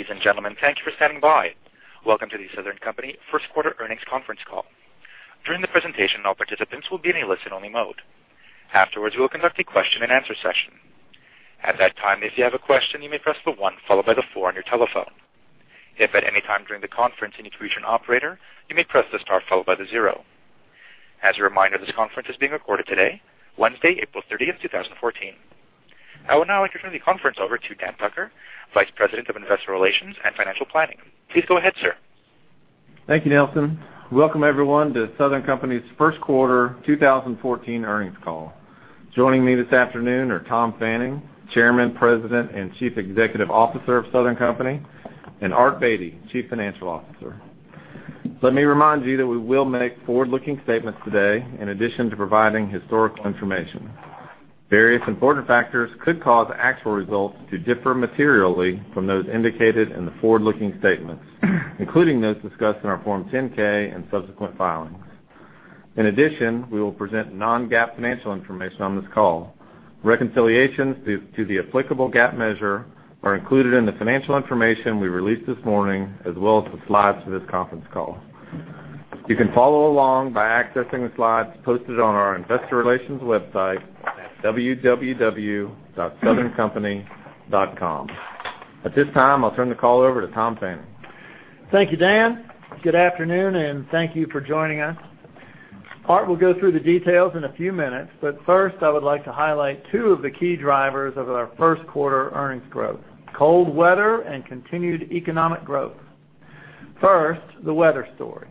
Ladies and gentlemen, thank you for standing by. Welcome to the Southern Company First Quarter Earnings Conference Call. During the presentation, all participants will be in a listen-only mode. Afterwards, we will conduct a question-and-answer session. At that time, if you have a question, you may press the one followed by the four on your telephone. If at any time during the conference you need to reach an operator, you may press the star followed by the zero. As a reminder, this conference is being recorded today, Wednesday, April 30, 2014. I would now like to turn the conference over to Daniel Tucker, Vice President of Investor Relations and Financial Planning. Please go ahead, sir. Thank you, Nelson. Welcome everyone to Southern Company's first quarter 2014 earnings call. Joining me this afternoon are Tom Fanning, Chairman, President, and Chief Executive Officer of Southern Company, and Art Beattie, Chief Financial Officer. Let me remind you that we will make forward-looking statements today in addition to providing historical information. Various important factors could cause actual results to differ materially from those indicated in the forward-looking statements, including those discussed in our Form 10-K and subsequent filings. In addition, we will present non-GAAP financial information on this call. Reconciliations to the applicable GAAP measure are included in the financial information we released this morning as well as the slides for this conference call. You can follow along by accessing the slides posted on our investor relations website at www.southerncompany.com. At this time, I'll turn the call over to Tom Fanning. Thank you, Dan. Good afternoon. Thank you for joining us. Art will go through the details in a few minutes. First, I would like to highlight two of the key drivers of our first quarter earnings growth, cold weather and continued economic growth. First, the weather story.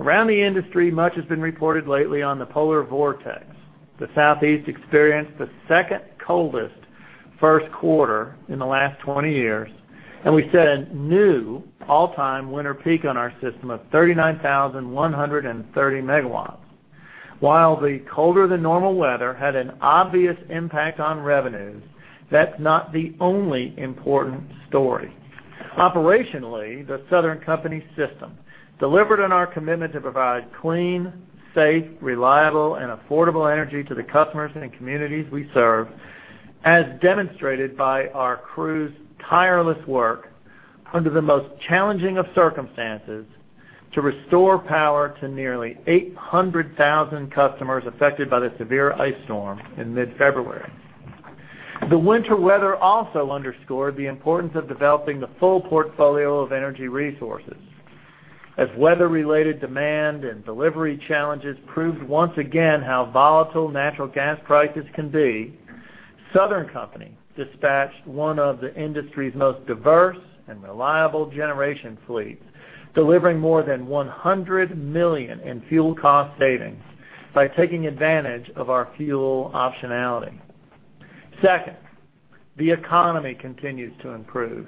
Around the industry, much has been reported lately on the polar vortex. The Southeast experienced the second coldest first quarter in the last 20 years, and we set a new all-time winter peak on our system of 39,130 megawatts. While the colder than normal weather had an obvious impact on revenues, that's not the only important story. Operationally, the Southern Company system delivered on our commitment to provide clean, safe, reliable, and affordable energy to the customers and communities we serve, as demonstrated by our crew's tireless work under the most challenging of circumstances to restore power to nearly 800,000 customers affected by the severe ice storm in mid-February. The winter weather also underscored the importance of developing the full portfolio of energy resources. As weather-related demand and delivery challenges proved once again how volatile natural gas prices can be, Southern Company dispatched one of the industry's most diverse and reliable generation fleets, delivering more than $100 million in fuel cost savings by taking advantage of our fuel optionality. Second, the economy continues to improve.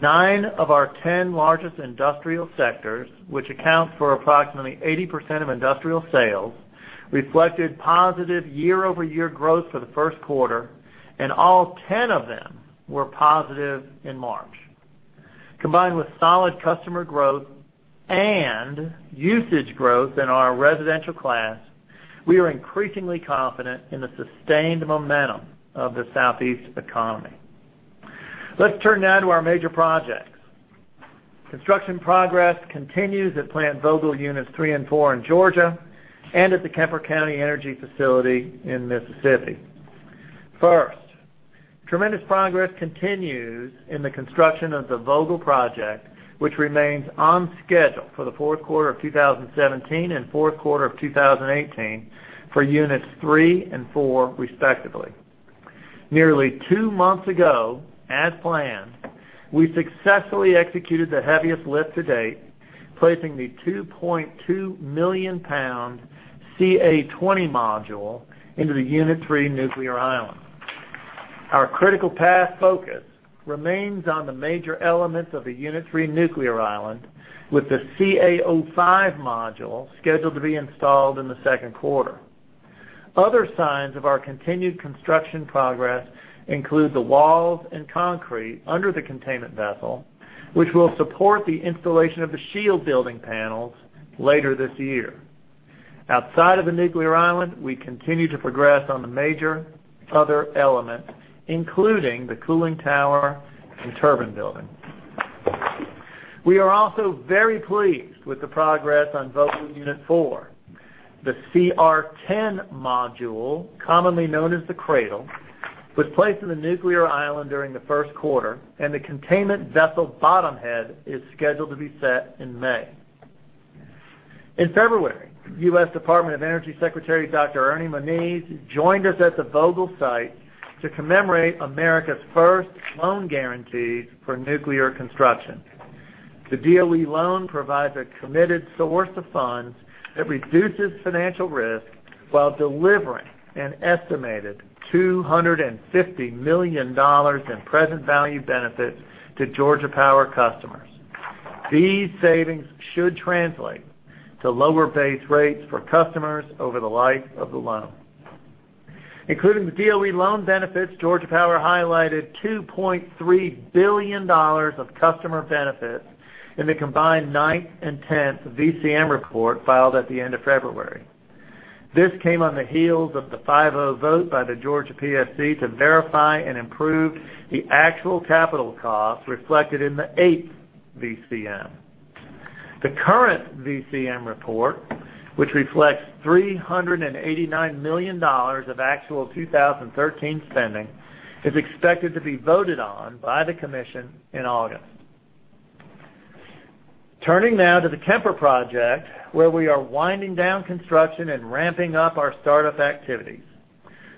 Nine of our 10 largest industrial sectors, which account for approximately 80% of industrial sales, reflected positive year-over-year growth for the first quarter, and all 10 of them were positive in March. Combined with solid customer growth and usage growth in our residential class, we are increasingly confident in the sustained momentum of the Southeast economy. Let's turn now to our major projects. Construction progress continues at Plant Vogtle Units 3 and 4 in Georgia and at the Kemper County Energy Facility in Mississippi. Tremendous progress continues in the construction of the Vogtle project, which remains on schedule for the fourth quarter of 2017 and fourth quarter of 2018 for Units 3 and 4, respectively. Nearly 2 months ago, as planned, we successfully executed the heaviest lift to date, placing the 2.2 million-pound CA20 module into the Unit 3 nuclear island. Our critical path focus remains on the major elements of the Unit 3 nuclear island, with the CA05 module scheduled to be installed in the second quarter. Other signs of our continued construction progress include the walls and concrete under the containment vessel, which will support the installation of the shield building panels later this year. Outside of the nuclear island, we continue to progress on the major other elements, including the cooling tower and turbine building. We are also very pleased with the progress on Vogtle Unit 4. The CR10 module, commonly known as the cradle, was placed in the nuclear island during the first quarter, and the containment vessel bottom head is scheduled to be set in May. In February, U.S. Department of Energy Secretary Dr. Ernest Moniz joined us at the Vogtle site to commemorate America's first loan guarantees for nuclear construction. The DOE loan provides a committed source of funds that reduces financial risk while delivering an estimated $250 million in present value benefits to Georgia Power customers. These savings should translate to lower base rates for customers over the life of the loan. Including the DOE loan benefits, Georgia Power highlighted $2.3 billion of customer benefits in the combined 9th and 10th VCM report filed at the end of February. This came on the heels of the 5-0 vote by the Georgia PSC to verify and improve the actual capital cost reflected in the 8th VCM. The current VCM report, which reflects $389 million of actual 2013 spending, is expected to be voted on by the commission in August. Turning now to the Kemper project, where we are winding down construction and ramping up our startup activities.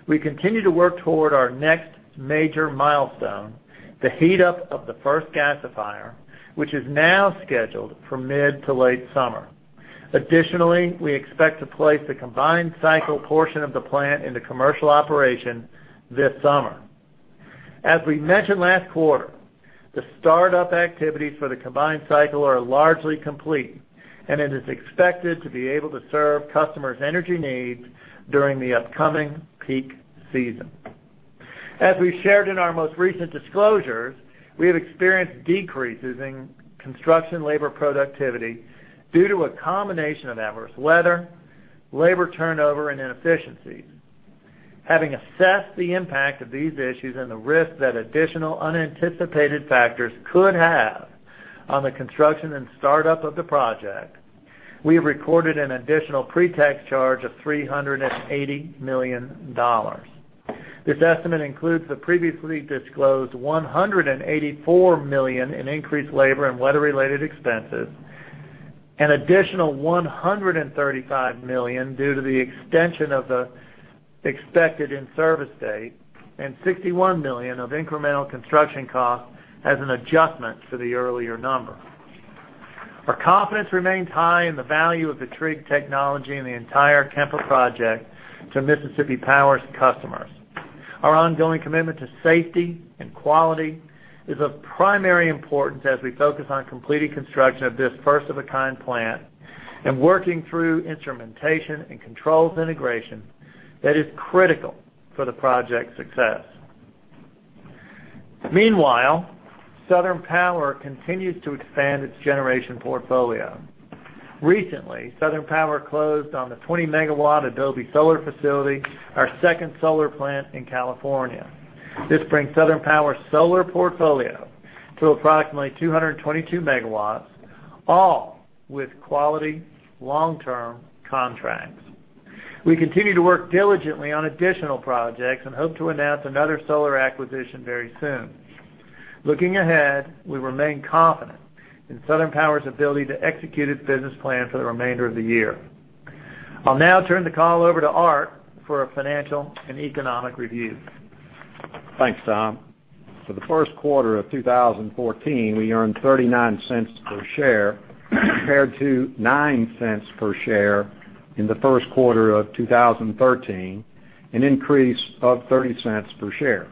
We continue to work toward our next major milestone, the heat-up of the first gasifier, which is now scheduled for mid to late summer. We expect to place the combined cycle portion of the plant into commercial operation this summer. As we mentioned last quarter, the startup activities for the combined cycle are largely complete, and it is expected to be able to serve customers' energy needs during the upcoming peak season. As we shared in our most recent disclosures, we have experienced decreases in construction labor productivity due to a combination of adverse weather, labor turnover, and inefficiencies. Having assessed the impact of these issues and the risk that additional unanticipated factors could have on the construction and startup of the project, we have recorded an additional pre-tax charge of $380 million. This estimate includes the previously disclosed $184 million in increased labor and weather-related expenses, an additional $135 million due to the extension of the expected in-service date, and $61 million of incremental construction cost as an adjustment to the earlier number. Our confidence remains high in the value of the TRIG technology and the entire Kemper project to Mississippi Power's customers. Our ongoing commitment to safety and quality is of primary importance as we focus on completing construction of this first-of-a-kind plant and working through instrumentation and controls integration that is critical for the project's success. Meanwhile, Southern Power continues to expand its generation portfolio. Recently, Southern Power closed on the 20 MW Adobe Solar Facility, our second solar plant in California. This brings Southern Power's solar portfolio to approximately 222 MW, all with quality long-term contracts. We continue to work diligently on additional projects and hope to announce another solar acquisition very soon. Looking ahead, we remain confident in Southern Power's ability to execute its business plan for the remainder of the year. I'll now turn the call over to Art for a financial and economic review. Thanks, Tom. For the first quarter of 2014, we earned $0.39 per share compared to $0.09 per share in the first quarter of 2013, an increase of $0.30 per share.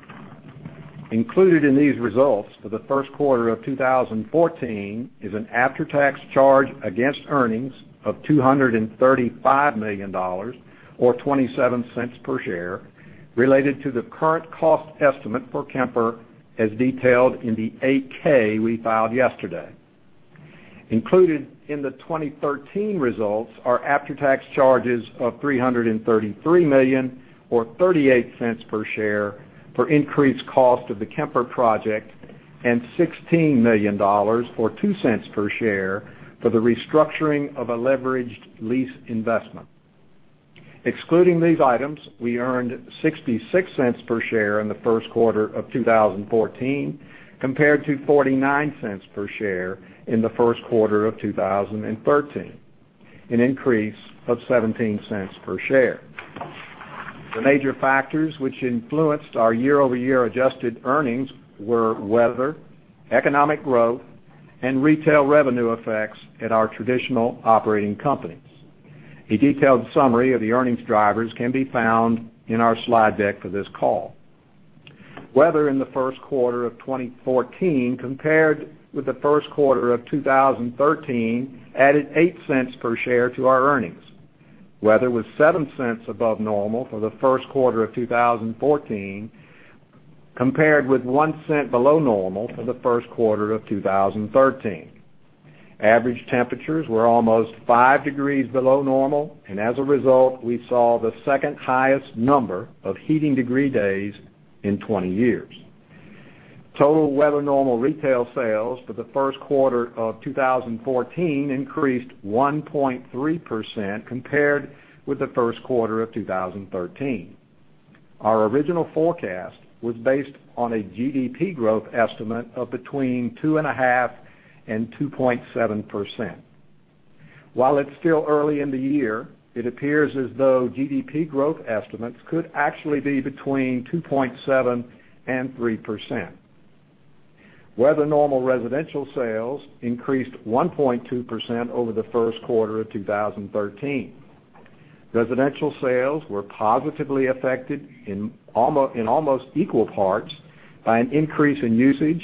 Included in these results for the first quarter of 2014 is an after-tax charge against earnings of $235 million, or $0.27 per share, related to the current cost estimate for Kemper, as detailed in the 8-K we filed yesterday. Included in the 2013 results are after-tax charges of $333 million, or $0.38 per share, for increased cost of the Kemper project and $16 million, or $0.02 per share, for the restructuring of a leveraged lease investment. Excluding these items, we earned $0.66 per share in the first quarter of 2014 compared to $0.49 per share in the first quarter of 2013, an increase of $0.17 per share. The major factors which influenced our year-over-year adjusted earnings were weather, economic growth, and retail revenue effects at our traditional operating companies. A detailed summary of the earnings drivers can be found in our slide deck for this call. Weather in the first quarter of 2014 compared with the first quarter of 2013 added $0.08 per share to our earnings. Weather was $0.07 above normal for the first quarter of 2014 compared with $0.01 below normal for the first quarter of 2013. Average temperatures were almost five degrees below normal, and as a result, we saw the second highest number of heating degree days in 20 years. Total weather normal retail sales for the first quarter of 2014 increased 1.3% compared with the first quarter of 2013. Our original forecast was based on a GDP growth estimate of between 2.5% and 2.7%. While it's still early in the year, it appears as though GDP growth estimates could actually be between 2.7% and 3%. Weather normal residential sales increased 1.2% over the first quarter of 2013. Residential sales were positively affected in almost equal parts by an increase in usage,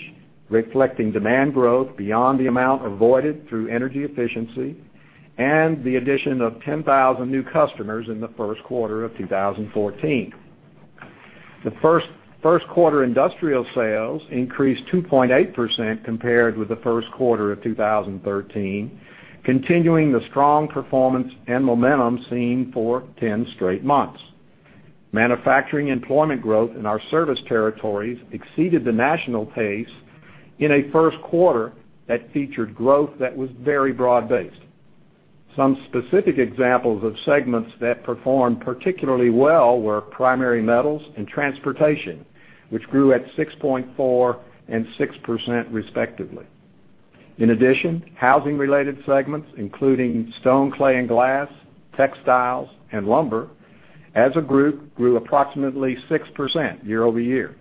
reflecting demand growth beyond the amount avoided through energy efficiency, and the addition of 10,000 new customers in the first quarter of 2014. The first quarter industrial sales increased 2.8% compared with the first quarter of 2013, continuing the strong performance and momentum seen for 10 straight months. Manufacturing employment growth in our service territories exceeded the national pace in a first quarter that featured growth that was very broad-based. Some specific examples of segments that performed particularly well were primary metals and transportation, which grew at 6.4% and 6% respectively. In addition, housing-related segments, including stone, clay and glass, textiles, and lumber, as a group, grew approximately 6% year-over-year.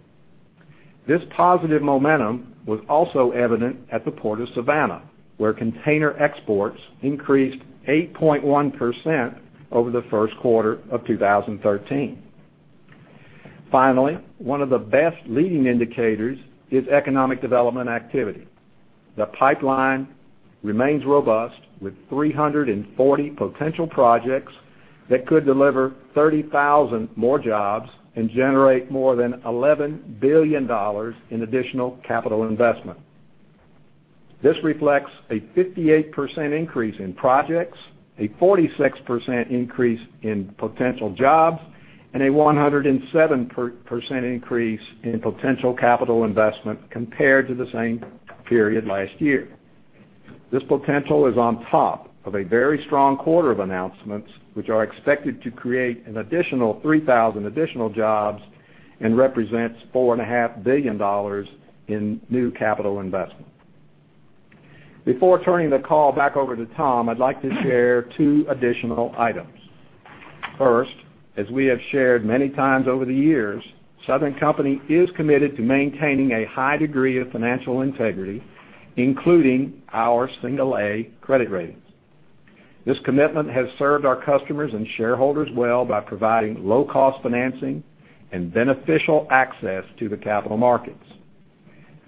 This positive momentum was also evident at the Port of Savannah, where container exports increased 8.1% over the first quarter of 2013. Finally, one of the best leading indicators is economic development activity. The pipeline remains robust with 340 potential projects that could deliver 30,000 more jobs and generate more than $11 billion in additional capital investment. This reflects a 58% increase in projects, a 46% increase in potential jobs, and a 107% increase in potential capital investment compared to the same period last year. This potential is on top of a very strong quarter of announcements, which are expected to create an additional 3,000 additional jobs and represents $4.5 billion in new capital investment. Before turning the call back over to Tom, I'd like to share two additional items. First, as we have shared many times over the years, Southern Company is committed to maintaining a high degree of financial integrity, including our single A credit ratings. This commitment has served our customers and shareholders well by providing low-cost financing and beneficial access to the capital markets.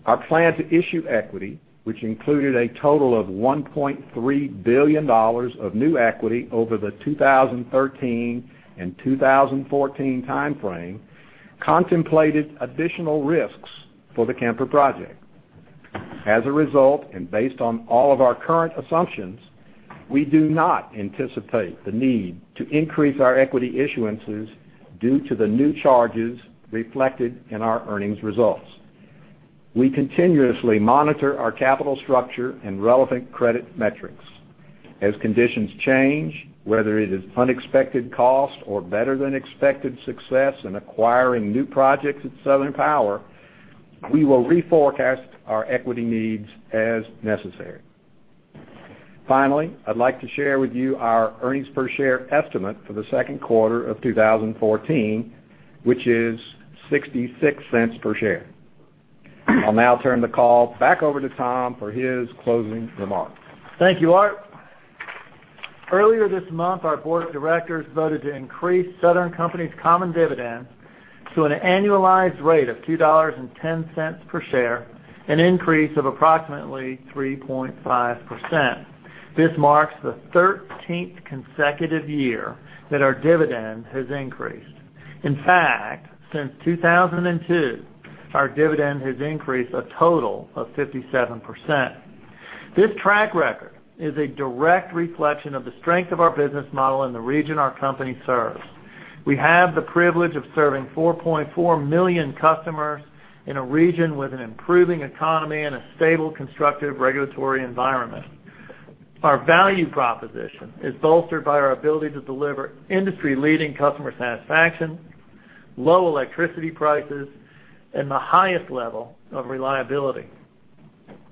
Our plan to issue equity, which included a total of $1.3 billion of new equity over the 2013 and 2014 timeframe, contemplated additional risks for the Kemper project. As a result, and based on all of our current assumptions, we do not anticipate the need to increase our equity issuances due to the new charges reflected in our earnings results. We continuously monitor our capital structure and relevant credit metrics. As conditions change, whether it is unexpected cost or better than expected success in acquiring new projects at Southern Power, we will reforecast our equity needs as necessary. Finally, I'd like to share with you our earnings per share estimate for the second quarter of 2014, which is $0.66 per share. I'll now turn the call back over to Tom for his closing remarks. Thank you, Art. Earlier this month, our board of directors voted to increase Southern Company's common dividend to an annualized rate of $2.10 per share, an increase of approximately 3.5%. This marks the 13th consecutive year that our dividend has increased. In fact, since 2002, our dividend has increased a total of 57%. This track record is a direct reflection of the strength of our business model in the region our company serves. We have the privilege of serving 4.4 million customers in a region with an improving economy and a stable, constructive regulatory environment. Our value proposition is bolstered by our ability to deliver industry-leading customer satisfaction, low electricity prices, and the highest level of reliability.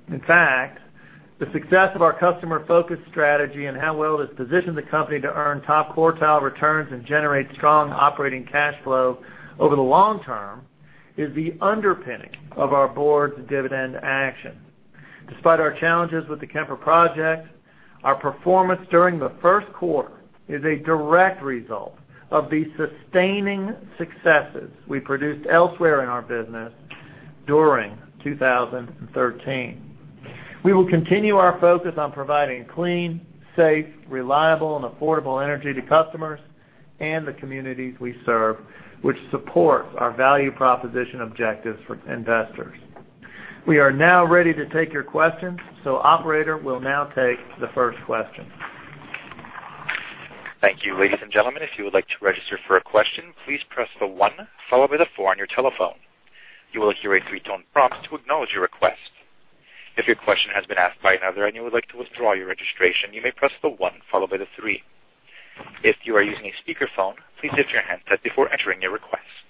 In fact, the success of our customer-focused strategy and how well it has positioned the company to earn top quartile returns and generate strong operating cash flow over the long term is the underpinning of our board's dividend action. Despite our challenges with the Kemper project, our performance during the first quarter is a direct result of the sustaining successes we produced elsewhere in our business during 2013. We will continue our focus on providing clean, safe, reliable, and affordable energy to customers and the communities we serve, which supports our value proposition objectives for investors. Operator, we'll now take the first question. Thank you. Ladies and gentlemen, if you would like to register for a question, please press the one followed by the four on your telephone. You will hear a three-tone prompt to acknowledge your request. If your question has been asked by another and you would like to withdraw your registration, you may press the one followed by the three. If you are using a speakerphone, please lift your handset before entering your request.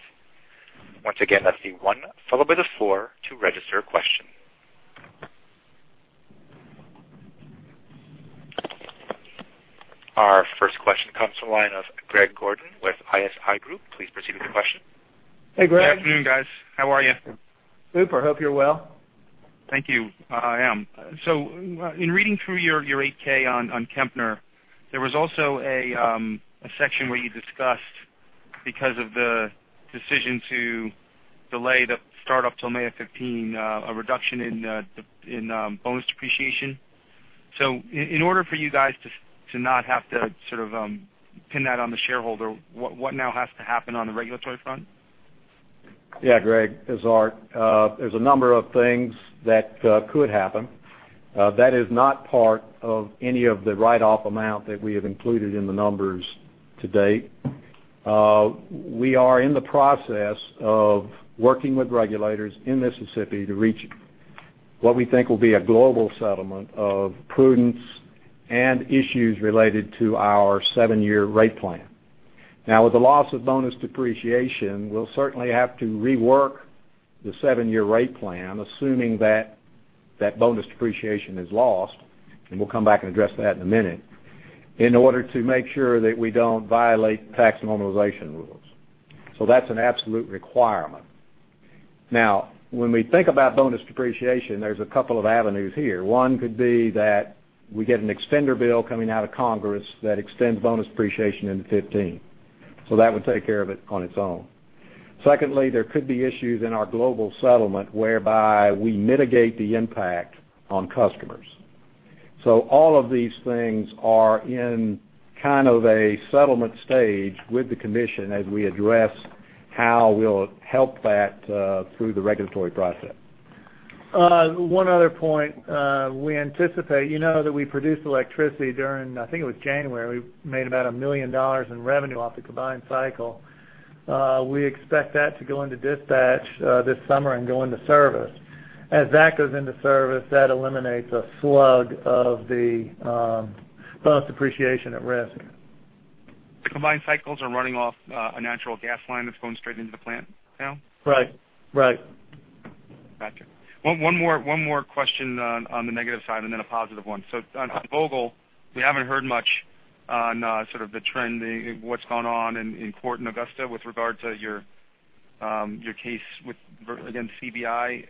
Once again, that's the one followed by the four to register a question. Our first question comes to the line of Greg Gordon with ISI Group. Please proceed with your question. Hey, Greg. Good afternoon, guys. How are you? Good. I hope you're well. Thank you. I am. In reading through your 8-K on Kemper, there was also a section where you discussed because of the decision to delay the startup till May of 2015, a reduction in bonus depreciation. In order for you guys to not have to pin that on the shareholder, what now has to happen on the regulatory front? Yeah, Greg. It's Art. There's a number of things that could happen. That is not part of any of the write-off amount that we have included in the numbers to date. We are in the process of working with regulators in Mississippi to reach what we think will be a global settlement of prudence and issues related to our seven-year rate plan. With the loss of bonus depreciation, we'll certainly have to rework the seven-year rate plan, assuming that that bonus depreciation is lost, and we'll come back and address that in a minute, in order to make sure that we don't violate tax normalization rules. That's an absolute requirement. When we think about bonus depreciation, there's a couple of avenues here. One could be that we get an extender bill coming out of Congress that extends bonus depreciation into 2015. That would take care of it on its own. Secondly, there could be issues in our global settlement whereby we mitigate the impact on customers. All of these things are in a settlement stage with the commission as we address how we'll help that through the regulatory process. One other point. We anticipate that we produced electricity during, I think it was January. We made about $1 million in revenue off the combined cycle. We expect that to go into dispatch this summer and go into service. As that goes into service, that eliminates a slug of the bonus depreciation at risk. The combined cycles are running off a natural gas line that's going straight into the plant now? Right. Gotcha. One more question on the negative side, and then a positive one. On Vogtle, we haven't heard much on sort of the trending, what's gone on in court in Augusta with regard to your case against CB&I,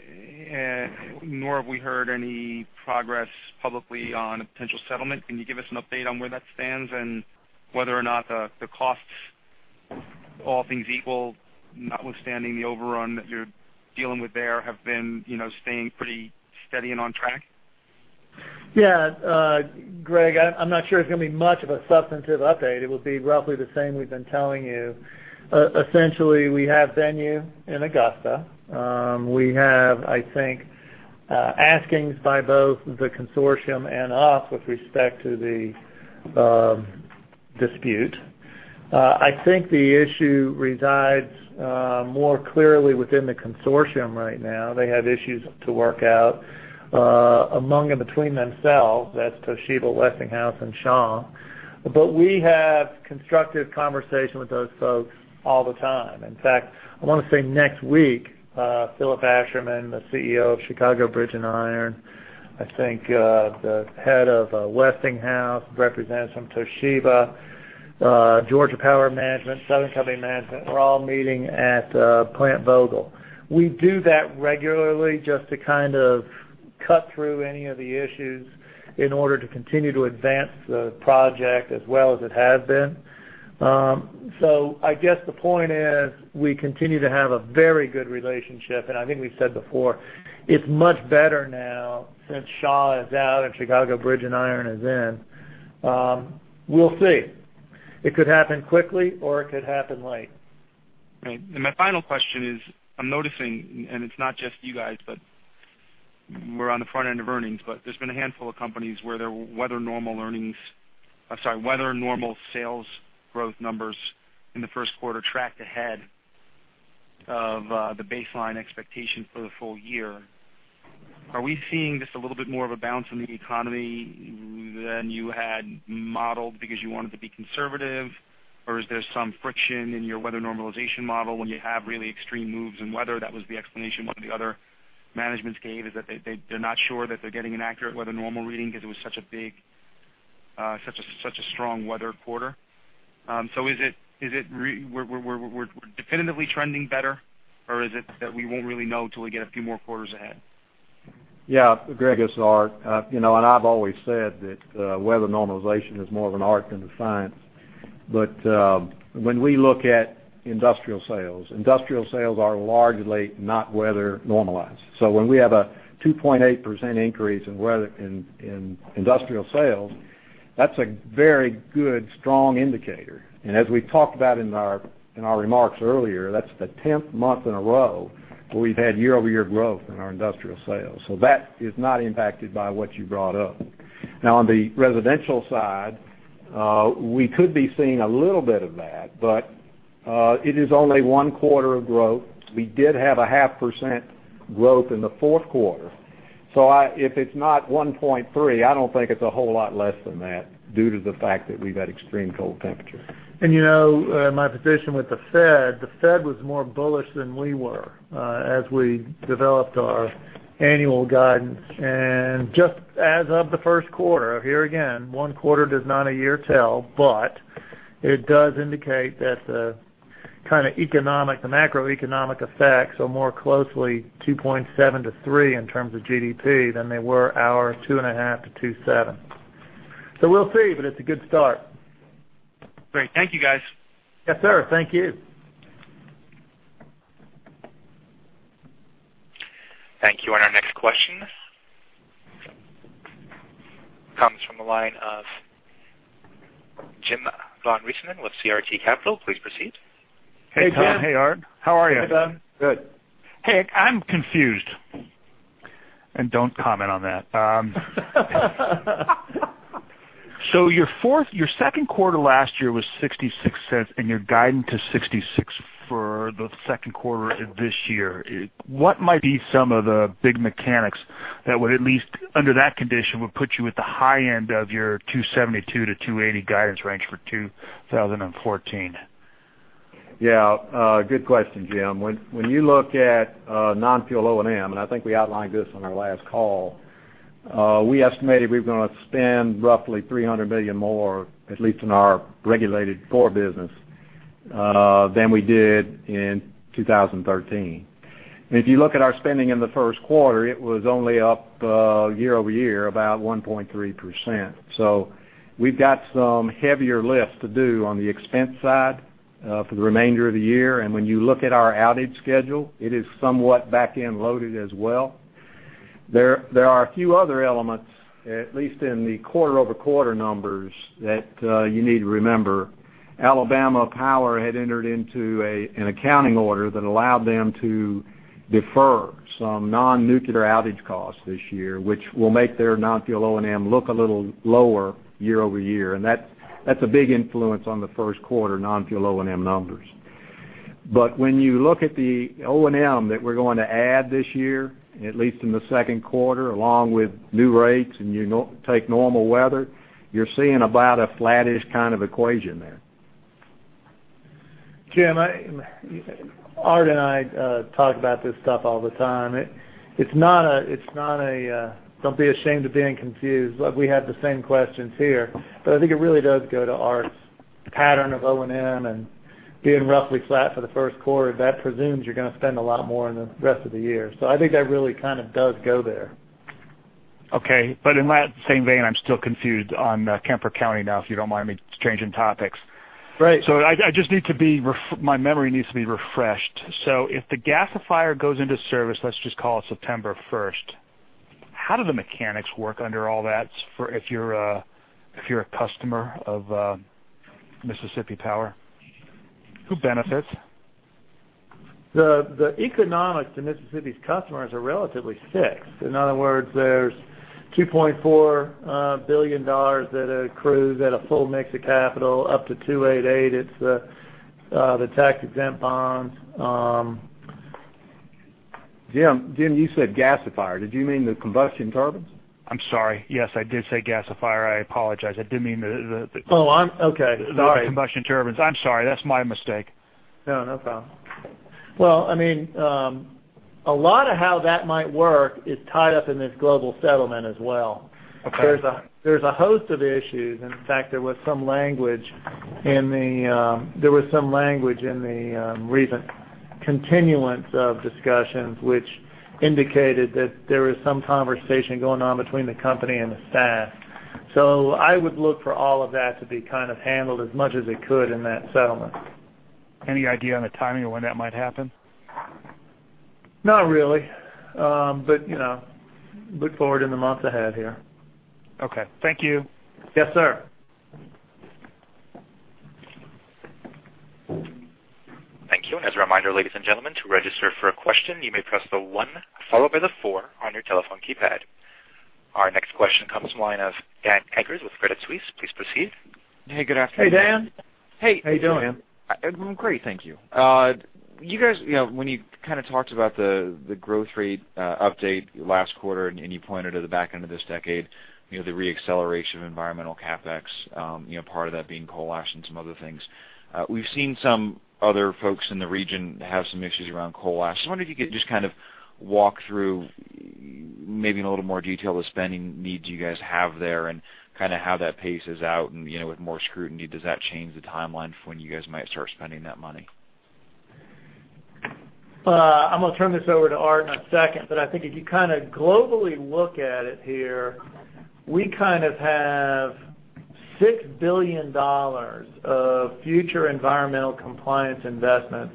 nor have we heard any progress publicly on a potential settlement. Can you give us an update on where that stands and whether or not the costs, all things equal, notwithstanding the overrun that you're dealing with there have been staying pretty steady and on track? Yeah. Greg, I'm not sure it's going to be much of a substantive update. It will be roughly the same we've been telling you. Essentially, we have venue in Augusta. We have, I think, askings by both the consortium and us with respect to the dispute. I think the issue resides more clearly within the consortium right now. They have issues to work out among and between themselves. That's Toshiba, Westinghouse, and Shaw. We have constructive conversation with those folks all the time. In fact, I want to say next week Philip Asherman, the CEO of Chicago Bridge & Iron Company, I think the head of Westinghouse, representatives from Toshiba, Georgia Power Management, Southern Company Management, we're all meeting at Plant Vogtle. We do that regularly just to kind of cut through any of the issues in order to continue to advance the project as well as it has been. I guess the point is we continue to have a very good relationship, and I think we've said before, it's much better now since Shaw is out and Chicago Bridge & Iron Company is in. We'll see. It could happen quickly or it could happen late. Right. My final question is, I'm noticing, and it's not just you guys, but we're on the front end of earnings, but there's been a handful of companies where their weather normal earnings, I'm sorry, weather normal sales growth numbers in the first quarter tracked ahead of the baseline expectation for the full year. Are we seeing just a little bit more of a bounce in the economy than you had modeled because you wanted to be conservative? Or is there some friction in your weather normalization model when you have really extreme moves in weather? That was the explanation one of the other managements gave, is that they're not sure that they're getting an accurate weather normal reading because it was such a strong weather quarter. We're definitively trending better or is it that we won't really know till we get a few more quarters ahead? Yeah. Greg, it's Art. I've always said that weather normalization is more of an art than a science. When we look at industrial sales, industrial sales are largely not weather normalized. When we have a 2.8% increase in industrial sales, that's a very good, strong indicator. As we talked about in our remarks earlier, that's the tenth month in a row where we've had year-over-year growth in our industrial sales. That is not impacted by what you brought up. Now, on the residential side, we could be seeing a little bit of that, but it is only one quarter of growth. We did have a half percent growth in the fourth quarter. If it's not 1.3, I don't think it's a whole lot less than that due to the fact that we've had extreme cold temperatures. My position with the Fed, the Fed was more bullish than we were as we developed our annual guidance. Just as of the first quarter, here again, one quarter does not a year tell, but it does indicate that the kind of economic, the macroeconomic effects are more closely 2.7 to 3 in terms of GDP than they were our two and a half to two seven. We'll see, but it's a good start. Great. Thank you guys. Yes, sir. Thank you. Thank you. Our next question comes from the line of Jim von Riesemann with CRT Capital. Please proceed. Hey, Tom. Hey, Art Beattie. How are you? Hey, Jim. Good. Hey. I'm confused, and don't comment on that. Your second quarter last year was $0.66 and you're guiding to $0.66 for the second quarter of this year. What might be some of the big mechanics that would, at least under that condition, would put you at the high end of your $2.72-$2.80 guidance range for 2014? Yeah. Good question, Jim. When you look at non-fuel O&M, I think we outlined this on our last call, we estimated we were going to spend roughly $300 million more, at least in our regulated core business, than we did in 2013. If you look at our spending in the first quarter, it was only up year-over-year about 1.3%. We've got some heavier lifts to do on the expense side for the remainder of the year. When you look at our outage schedule, it is somewhat back-end loaded as well. There are a few other elements, at least in the quarter-over-quarter numbers, that you need to remember. Alabama Power had entered into an accounting order that allowed them to defer some non-nuclear outage costs this year, which will make their non-fuel O&M look a little lower year-over-year. That's a big influence on the first quarter non-fuel O&M numbers. When you look at the O&M that we're going to add this year, at least in the second quarter, along with new rates, you take normal weather, you're seeing about a flattish kind of equation there. Jim, Art and I talk about this stuff all the time. Don't be ashamed of being confused. Look, we have the same questions here, I think it really does go to Art's pattern of O&M and being roughly flat for the first quarter. That presumes you're going to spend a lot more in the rest of the year. I think that really does go there. Okay. In that same vein, I'm still confused on Kemper County now, if you don't mind me changing topics. Right. My memory needs to be refreshed. If the gasifier goes into service, let's just call it September 1st, how do the mechanics work under all that if you're a customer of Mississippi Power? Who benefits? The economics to Mississippi's customers are relatively fixed. In other words, there's $2.4 billion that accrues at a full mix of capital up to 288. It's the tax-exempt bonds. Jim, you said gasifier. Did you mean the combustion turbines? I'm sorry. Yes, I did say gasifier. I apologize. I did mean. Oh, okay. All right. The combustion turbines. I'm sorry. That's my mistake. No, no problem. Well, a lot of how that might work is tied up in this global settlement as well. Okay. There's a host of issues. In fact, there was some language in the recent continuance of discussions which indicated that there was some conversation going on between the company and the staff. I would look for all of that to be handled as much as it could in that settlement. Any idea on a timing of when that might happen? Not really. Look forward in the months ahead here. Okay. Thank you. Yes, sir. Thank you. As a reminder, ladies and gentlemen, to register for a question, you may press the one followed by the four on your telephone keypad. Our next question comes from the line of Dan Eggers with Credit Suisse. Please proceed. Hey, good afternoon. Hey, Dan. Hey. How you doing, Dan? I'm great, thank you. You guys, when you talked about the growth rate update last quarter and you pointed to the back end of this decade, the re-acceleration of environmental CapEx, part of that being coal ash and some other things. We've seen some other folks in the region have some issues around coal ash. I wonder if you could just walk through maybe in a little more detail the spending needs you guys have there and how that paces out and, with more scrutiny, does that change the timeline for when you guys might start spending that money? I'm going to turn this over to Art in a second. I think if you globally look at it here, we have $6 billion of future environmental compliance investments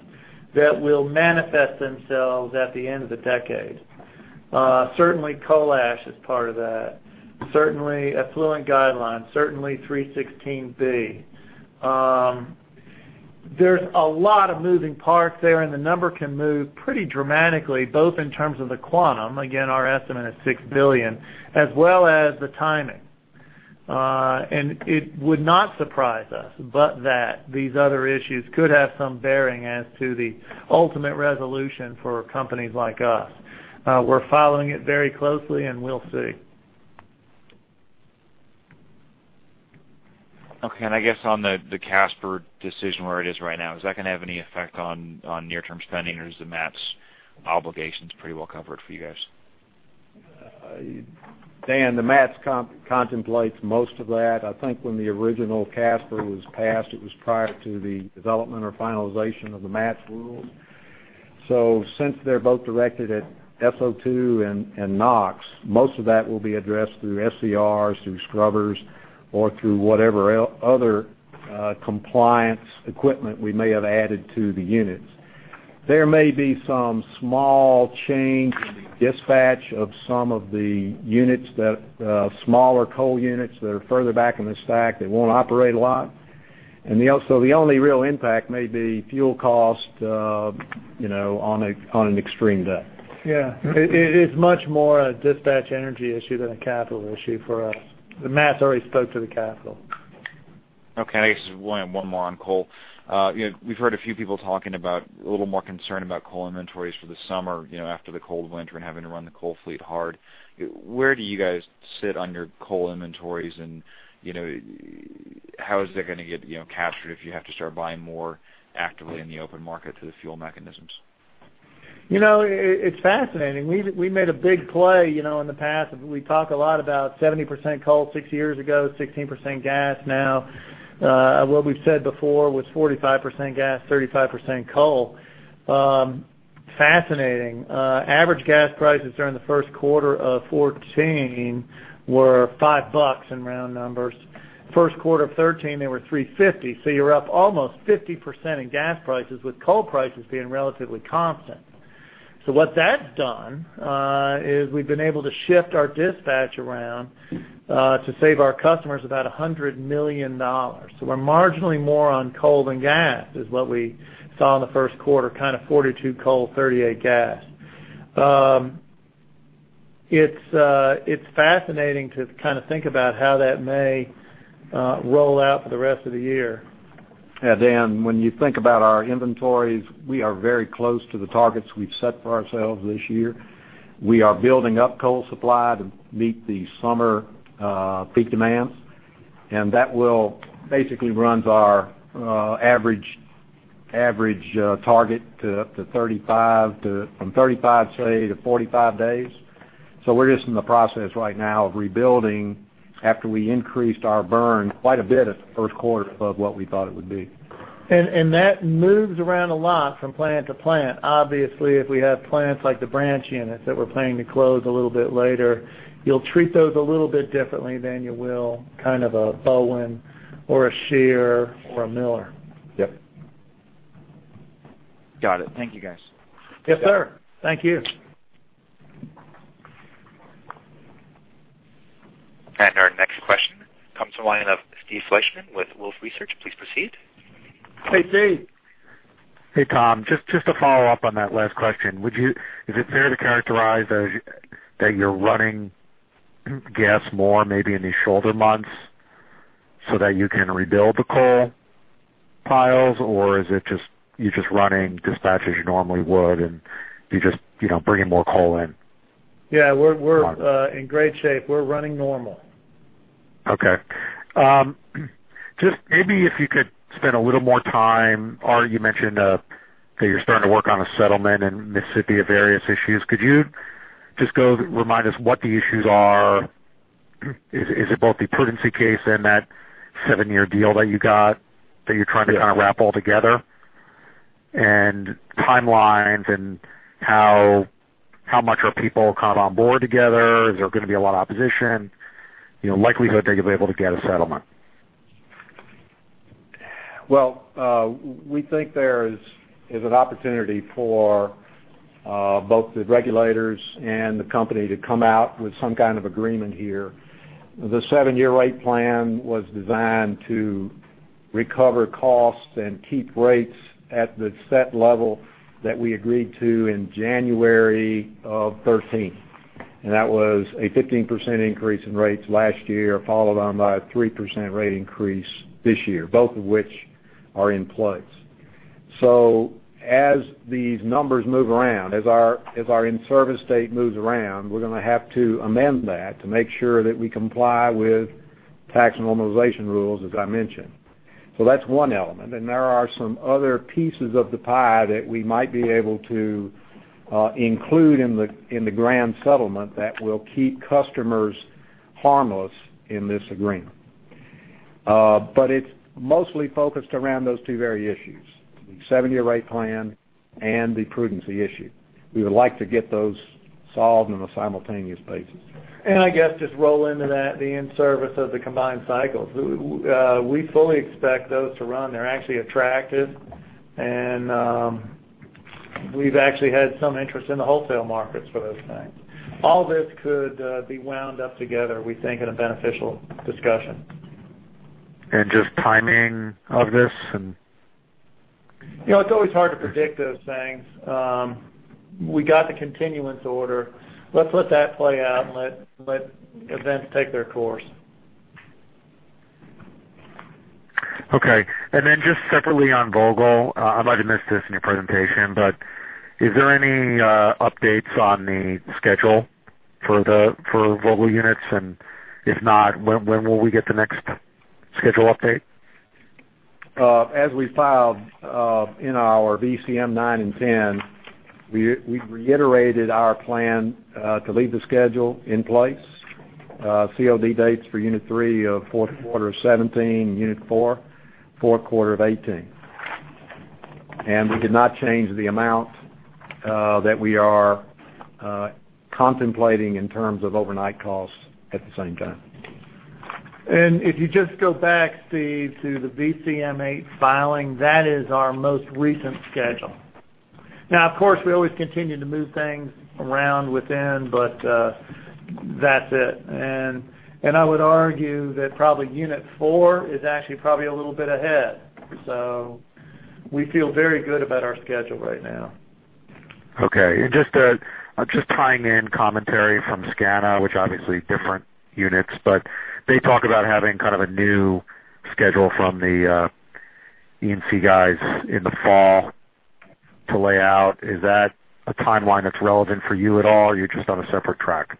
that will manifest themselves at the end of the decade. Certainly, coal ash is part of that. Certainly, effluent guidelines. Certainly, 316. There's a lot of moving parts there, the number can move pretty dramatically, both in terms of the quantum, again, our estimate is $6 billion, as well as the timing. It would not surprise us that these other issues could have some bearing as to the ultimate resolution for companies like us. We're following it very closely, we'll see. Okay. I guess on the CSAPR decision where it is right now, is that going to have any effect on near-term spending, or is the MATS obligations pretty well covered for you guys? Dan, the MATS contemplates most of that. I think when the original CSAPR was passed, it was prior to the development or finalization of the MATS rules. Since they're both directed at SO2 and NOx, most of that will be addressed through SCRs, through scrubbers, or through whatever other compliance equipment we may have added to the units. There may be some small change dispatch of some of the units, the smaller coal units that are further back in the stack that won't operate a lot. The only real impact may be fuel cost on an extreme day. Yeah. It is much more a dispatch energy issue than a capital issue for us. MATS already spoke to the capital. Okay. I guess one more on coal. We've heard a few people talking about a little more concern about coal inventories for the summer, after the cold winter and having to run the coal fleet hard. Where do you guys sit on your coal inventories, and how is that going to get captured if you have to start buying more actively in the open market to the fuel mechanisms? It's fascinating. We made a big play in the past. We talk a lot about 70% coal six years ago, 16% gas now. What we've said before was 45% gas, 35% coal. Fascinating. Average gas prices during the first quarter of 2014 were $5 in round numbers. First quarter of 2013, they were $350. You're up almost 50% in gas prices, with coal prices being relatively constant. What that's done is we've been able to shift our dispatch around to save our customers about $100 million. We're marginally more on coal than gas, is what we saw in the first quarter, kind of 42 coal, 38 gas. It's fascinating to think about how that may roll out for the rest of the year. Dan, when you think about our inventories, we are very close to the targets we've set for ourselves this year. We are building up coal supply to meet the summer peak demands, and that will basically runs our average target to from 35, say, to 45 days. We're just in the process right now of rebuilding after we increased our burn quite a bit at the first quarter above what we thought it would be. That moves around a lot from plant to plant. Obviously, if we have plants like the Branch units that we're planning to close a little bit later, you'll treat those a little bit differently than you will kind of a Bowen or a Scherer or a Miller. Yep. Got it. Thank you, guys. Yes, sir. Thank you. Our next question comes to the line of Steve Fleishman with Wolfe Research. Please proceed. Hey, Steve. Hey, Tom. Just to follow up on that last question, is it fair to characterize that you're running gas more maybe in these shoulder months so that you can rebuild the coal piles? Or is it you're just running dispatches you normally would and you're just bringing more coal in? Yeah, we're in great shape. We're running normal. Okay. Just maybe if you could spend a little more time, you mentioned that you're starting to work on a settlement in Mississippi of various issues. Could you just go remind us what the issues are? Is it both the prudency case and that seven-year deal that you got that you're trying to wrap all together? Timelines and how much are people caught on board together? Is there going to be a lot of opposition? Likelihood that you'll be able to get a settlement. We think there is an opportunity for both the regulators and the company to come out with some kind of agreement here. The seven-year rate plan was designed to recover costs and keep rates at the set level that we agreed to in January of 2013. That was a 15% increase in rates last year, followed on by a 3% rate increase this year, both of which are in place. As these numbers move around, as our in-service date moves around, we're going to have to amend that to make sure that we comply with tax normalization rules, as I mentioned. That's one element. There are some other pieces of the pie that we might be able to include in the grand settlement that will keep customers harmless in this agreement. It's mostly focused around those two very issues, the seven-year rate plan and the prudency issue. We would like to get those solved in a simultaneous basis. I guess just roll into that the in-service of the combined cycles. We fully expect those to run. They're actually attractive. We've actually had some interest in the wholesale markets for those things. All this could be wound up together, we think, in a beneficial discussion. Just timing of this. It's always hard to predict those things. We got the continuance order. Let's let that play out and let events take their course. Okay. Separately on Vogtle, I might have missed this in your presentation, but is there any updates on the schedule for Vogtle units? If not, when will we get the next schedule update? As we filed in our VCM nine and 10, we reiterated our plan to leave the schedule in place. COD dates for unit 3, fourth quarter of 2017, unit 4, fourth quarter of 2018. We did not change the amount that we are contemplating in terms of overnight costs at the same time. If you just go back, Steve, to the VCM8 filing, that is our most recent schedule. Now, of course, we always continue to move things around within, but that's it. I would argue that probably unit 4 is actually probably a little bit ahead. We feel very good about our schedule right now. Okay. I'm just tying in commentary from SCANA, which obviously different units, but they talk about having kind of a new schedule from the E and C guys in the fall to lay out. Is that a timeline that's relevant for you at all, or you're just on a separate track?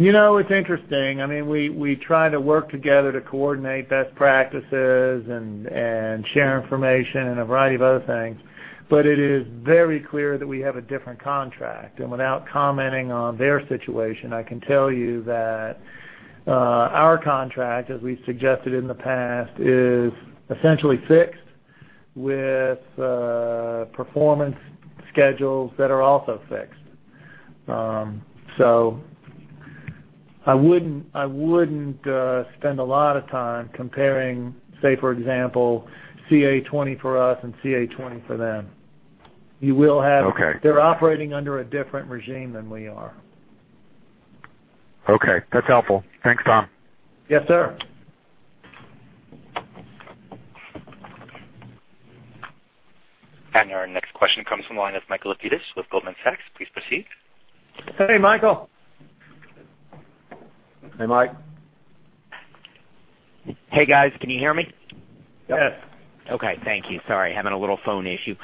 It's interesting. We try to work together to coordinate best practices and share information and a variety of other things. It is very clear that we have a different contract. Without commenting on their situation, I can tell you that our contract, as we've suggested in the past, is essentially fixed with performance schedules that are also fixed. I wouldn't spend a lot of time comparing, say, for example, CA-20 for us and CA-20 for them. Okay. They're operating under a different regime than we are. Okay. That's helpful. Thanks, Tom. Yes, sir. Our next question comes from the line of Michael Opites with Goldman Sachs. Please proceed. Hey, Michael. Hey, Mike. Hey, guys. Can you hear me? Yes. Okay. Thank you. Sorry, having a little phone issue.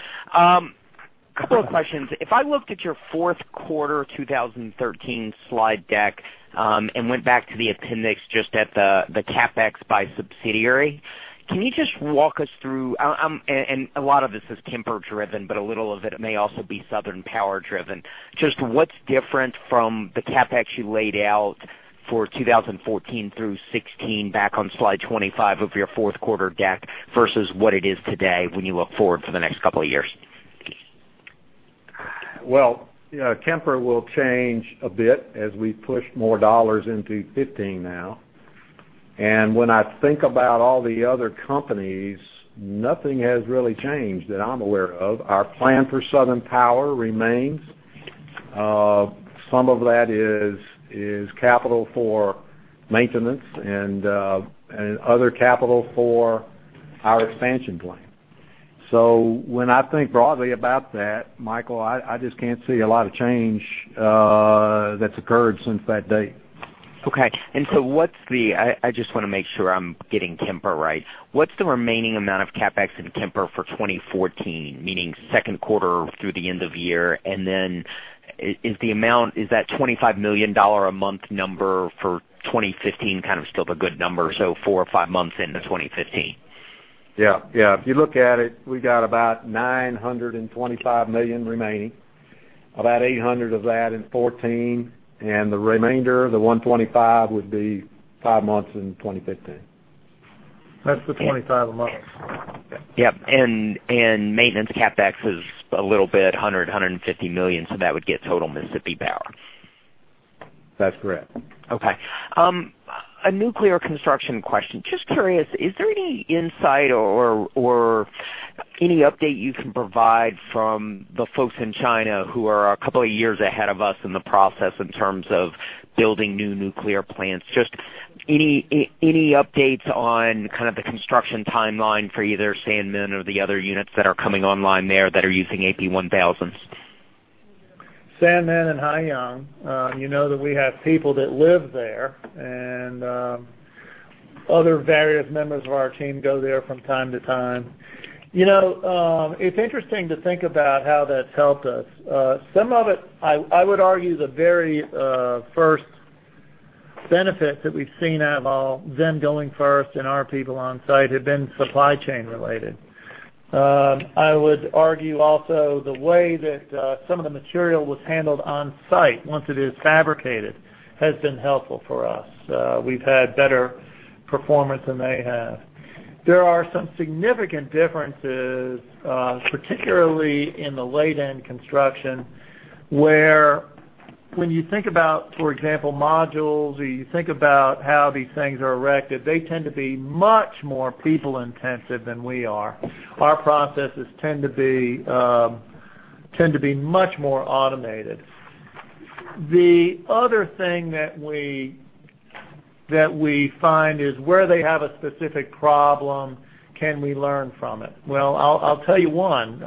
Couple of questions. If I looked at your fourth quarter 2013 slide deck, went back to the appendix just at the CapEx by subsidiary, can you just walk us through. A lot of this is Kemper driven, but a little of it may also be Southern Power driven. Just what's different from the CapEx you laid out for 2014 through 2016 back on slide 25 of your fourth quarter deck versus what it is today when you look forward for the next couple of years? Well, Kemper will change a bit as we push more dollars into 2015 now. When I think about all the other companies, nothing has really changed that I'm aware of. Our plan for Southern Power remains. Some of that is capital for maintenance and other capital for our expansion plan. When I think broadly about that, Michael, I just can't see a lot of change that's occurred since that date. Okay. I just want to make sure I'm getting Kemper right. What's the remaining amount of CapEx in Kemper for 2014? Meaning second quarter through the end of year. Is that $25 million a month number for 2015 kind of still a good number, so four or five months into 2015? Yeah. If you look at it, we got about $925 million remaining. About $800 of that in 2014. The remainder of the $125 would be five months in 2015. That's the $25 a month. Yep. Maintenance CapEx is a little bit, $100 million-$150 million, so that would get total Mississippi Power. That's correct. Okay. A nuclear construction question. Just curious, is there any insight or any update you can provide from the folks in China who are a couple of years ahead of us in the process in terms of building new nuclear plants? Just any updates on kind of the construction timeline for either Sanmen or the other units that are coming online there that are using AP1000s? Sanmen and Haiyang. You know that we have people that live there, and other various members of our team go there from time to time. It's interesting to think about how that's helped us. Some of it, I would argue the very first benefit that we've seen out of all them going first and our people on site have been supply chain related. I would argue also the way that some of the material was handled on site once it is fabricated has been helpful for us. We've had better performance than they have. There are some significant differences, particularly in the late end construction, where when you think about, for example, modules, or you think about how these things are erected, they tend to be much more people intensive than we are. Our processes tend to be much more automated. The other thing that we find is where they have a specific problem, can we learn from it? Well, I'll tell you one.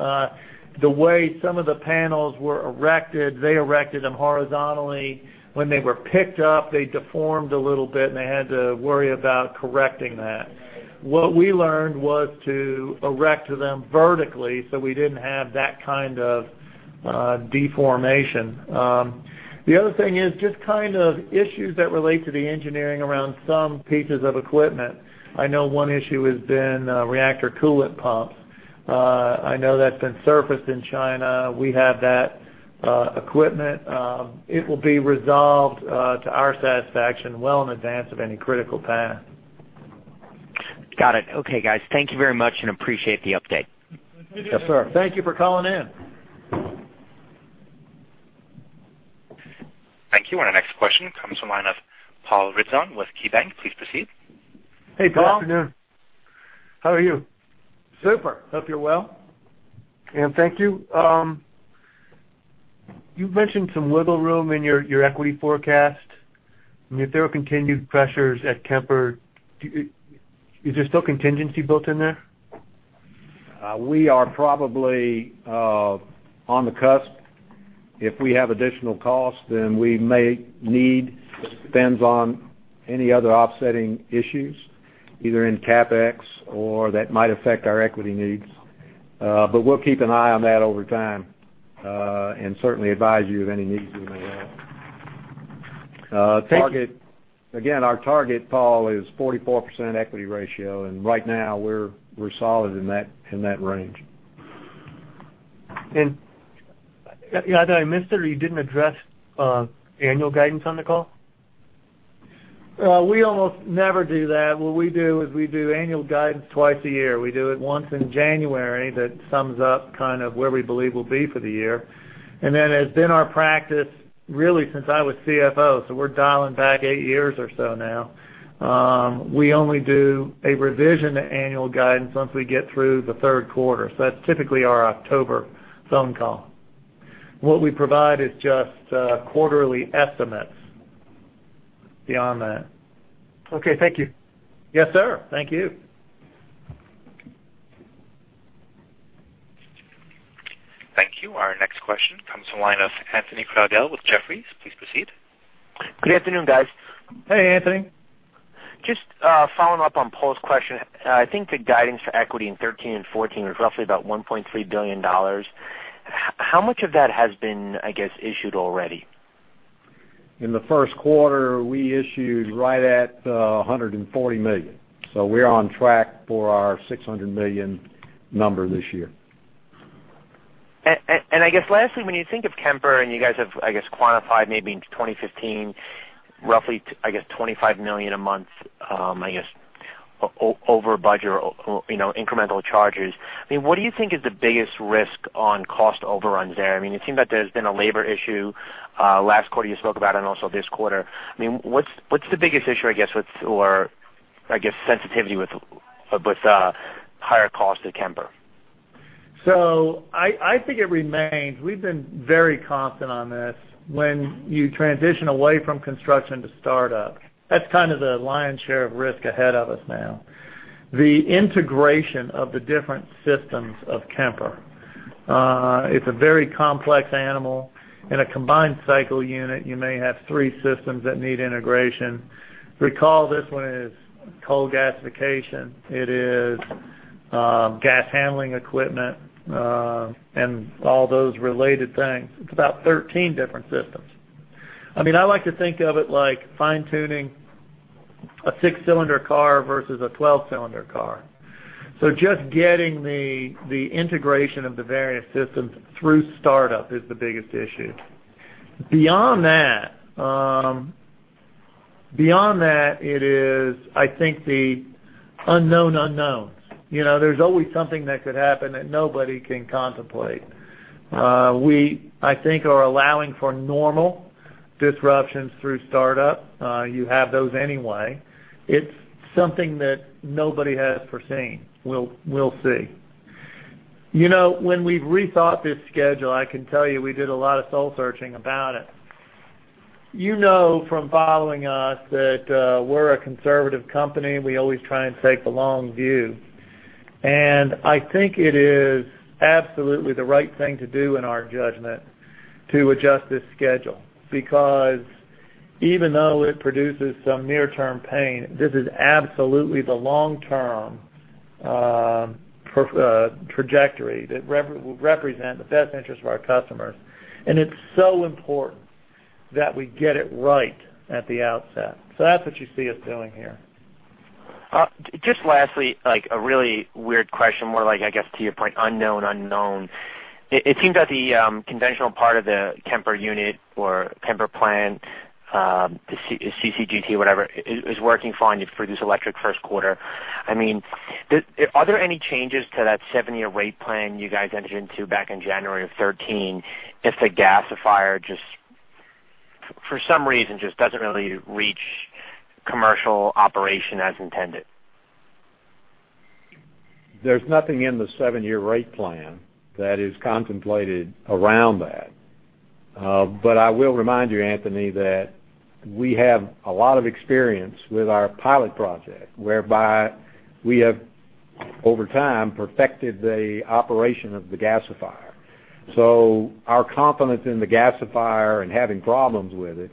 The way some of the panels were erected, they erected them horizontally. When they were picked up, they deformed a little bit, and they had to worry about correcting that. What we learned was to erect them vertically so we didn't have that kind of deformation. The other thing is just kind of issues that relate to the engineering around some pieces of equipment. I know one issue has been reactor coolant pumps. I know that's been surfaced in China. We have that - equipment. It will be resolved to our satisfaction well in advance of any critical path. Got it. Okay, guys. Thank you very much and appreciate the update. Yes, sir. Thank you for calling in. Thank you. Our next question comes from the line of Paul Ridzon with KeyBank. Please proceed. Hey, Paul. Good afternoon. How are you? Super. Hope you're well. Thank you. You've mentioned some wiggle room in your equity forecast. If there are continued pressures at Kemper, is there still contingency built in there? We are probably on the cusp. If we have additional costs, then we may need, depends on any other offsetting issues, either in CapEx or that might affect our equity needs. We'll keep an eye on that over time, and certainly advise you of any needs we may have. Thank you. Again, our target, Paul, is 44% equity ratio, and right now we're solid in that range. Either I missed it or you didn't address annual guidance on the call? We almost never do that. What we do is we do annual guidance twice a year. We do it once in January that sums up kind of where we believe we'll be for the year. Then it's been our practice, really since I was CFO, so we're dialing back eight years or so now, we only do a revision to annual guidance once we get through the third quarter. That's typically our October phone call. What we provide is just quarterly estimates beyond that. Okay, thank you. Yes, sir. Thank you. Thank you. Our next question comes from the line of Anthony Crowdell with Jefferies. Please proceed. Good afternoon, guys. Hey, Anthony. Just following up on Paul's question. I think the guidance for equity in 2013 and 2014 was roughly about $1.3 billion. How much of that has been, I guess, issued already? In the first quarter, we issued right at $140 million. We're on track for our $600 million number this year. I guess lastly, when you think of Kemper and you guys have, I guess, quantified maybe into 2015, roughly, I guess, $25 million a month, I guess, over budget or incremental charges. What do you think is the biggest risk on cost overruns there? It seemed that there's been a labor issue last quarter you spoke about and also this quarter. What's the biggest issue, I guess, with or, I guess, sensitivity with higher costs at Kemper? I think it remains. We've been very confident on this. When you transition away from construction to startup, that's kind of the lion's share of risk ahead of us now. The integration of the different systems of Kemper. It's a very complex animal. In a combined cycle unit, you may have three systems that need integration. Recall this one is coal gasification. It is gas handling equipment, and all those related things. It's about 13 different systems. I like to think of it like fine-tuning a six-cylinder car versus a 12-cylinder car. Just getting the integration of the various systems through startup is the biggest issue. Beyond that, it is, I think, the unknown unknowns. There's always something that could happen that nobody can contemplate. We, I think, are allowing for normal disruptions through startup. You have those anyway. It's something that nobody has foreseen. We'll see. When we rethought this schedule, I can tell you we did a lot of soul searching about it. You know from following us that we're a conservative company. We always try and take the long view. I think it is absolutely the right thing to do in our judgment to adjust this schedule. Because even though it produces some near-term pain, this is absolutely the long-term trajectory that will represent the best interest of our customers. It's so important that we get it right at the outset. That's what you see us doing here. Just lastly, like a really weird question, more like, I guess, to your point, unknown unknown. It seems that the conventional part of the Kemper unit or Kemper plan, the CCGT, whatever, is working fine. You've produced electric first quarter. Are there any changes to that seven-year rate plan you guys entered into back in January of 2013 if the gasifier, just for some reason, just doesn't really reach commercial operation as intended? There's nothing in the seven-year rate plan that is contemplated around that. I will remind you, Anthony, that we have a lot of experience with our pilot project, whereby we have, over time, perfected the operation of the gasifier. Our confidence in the gasifier and having problems with it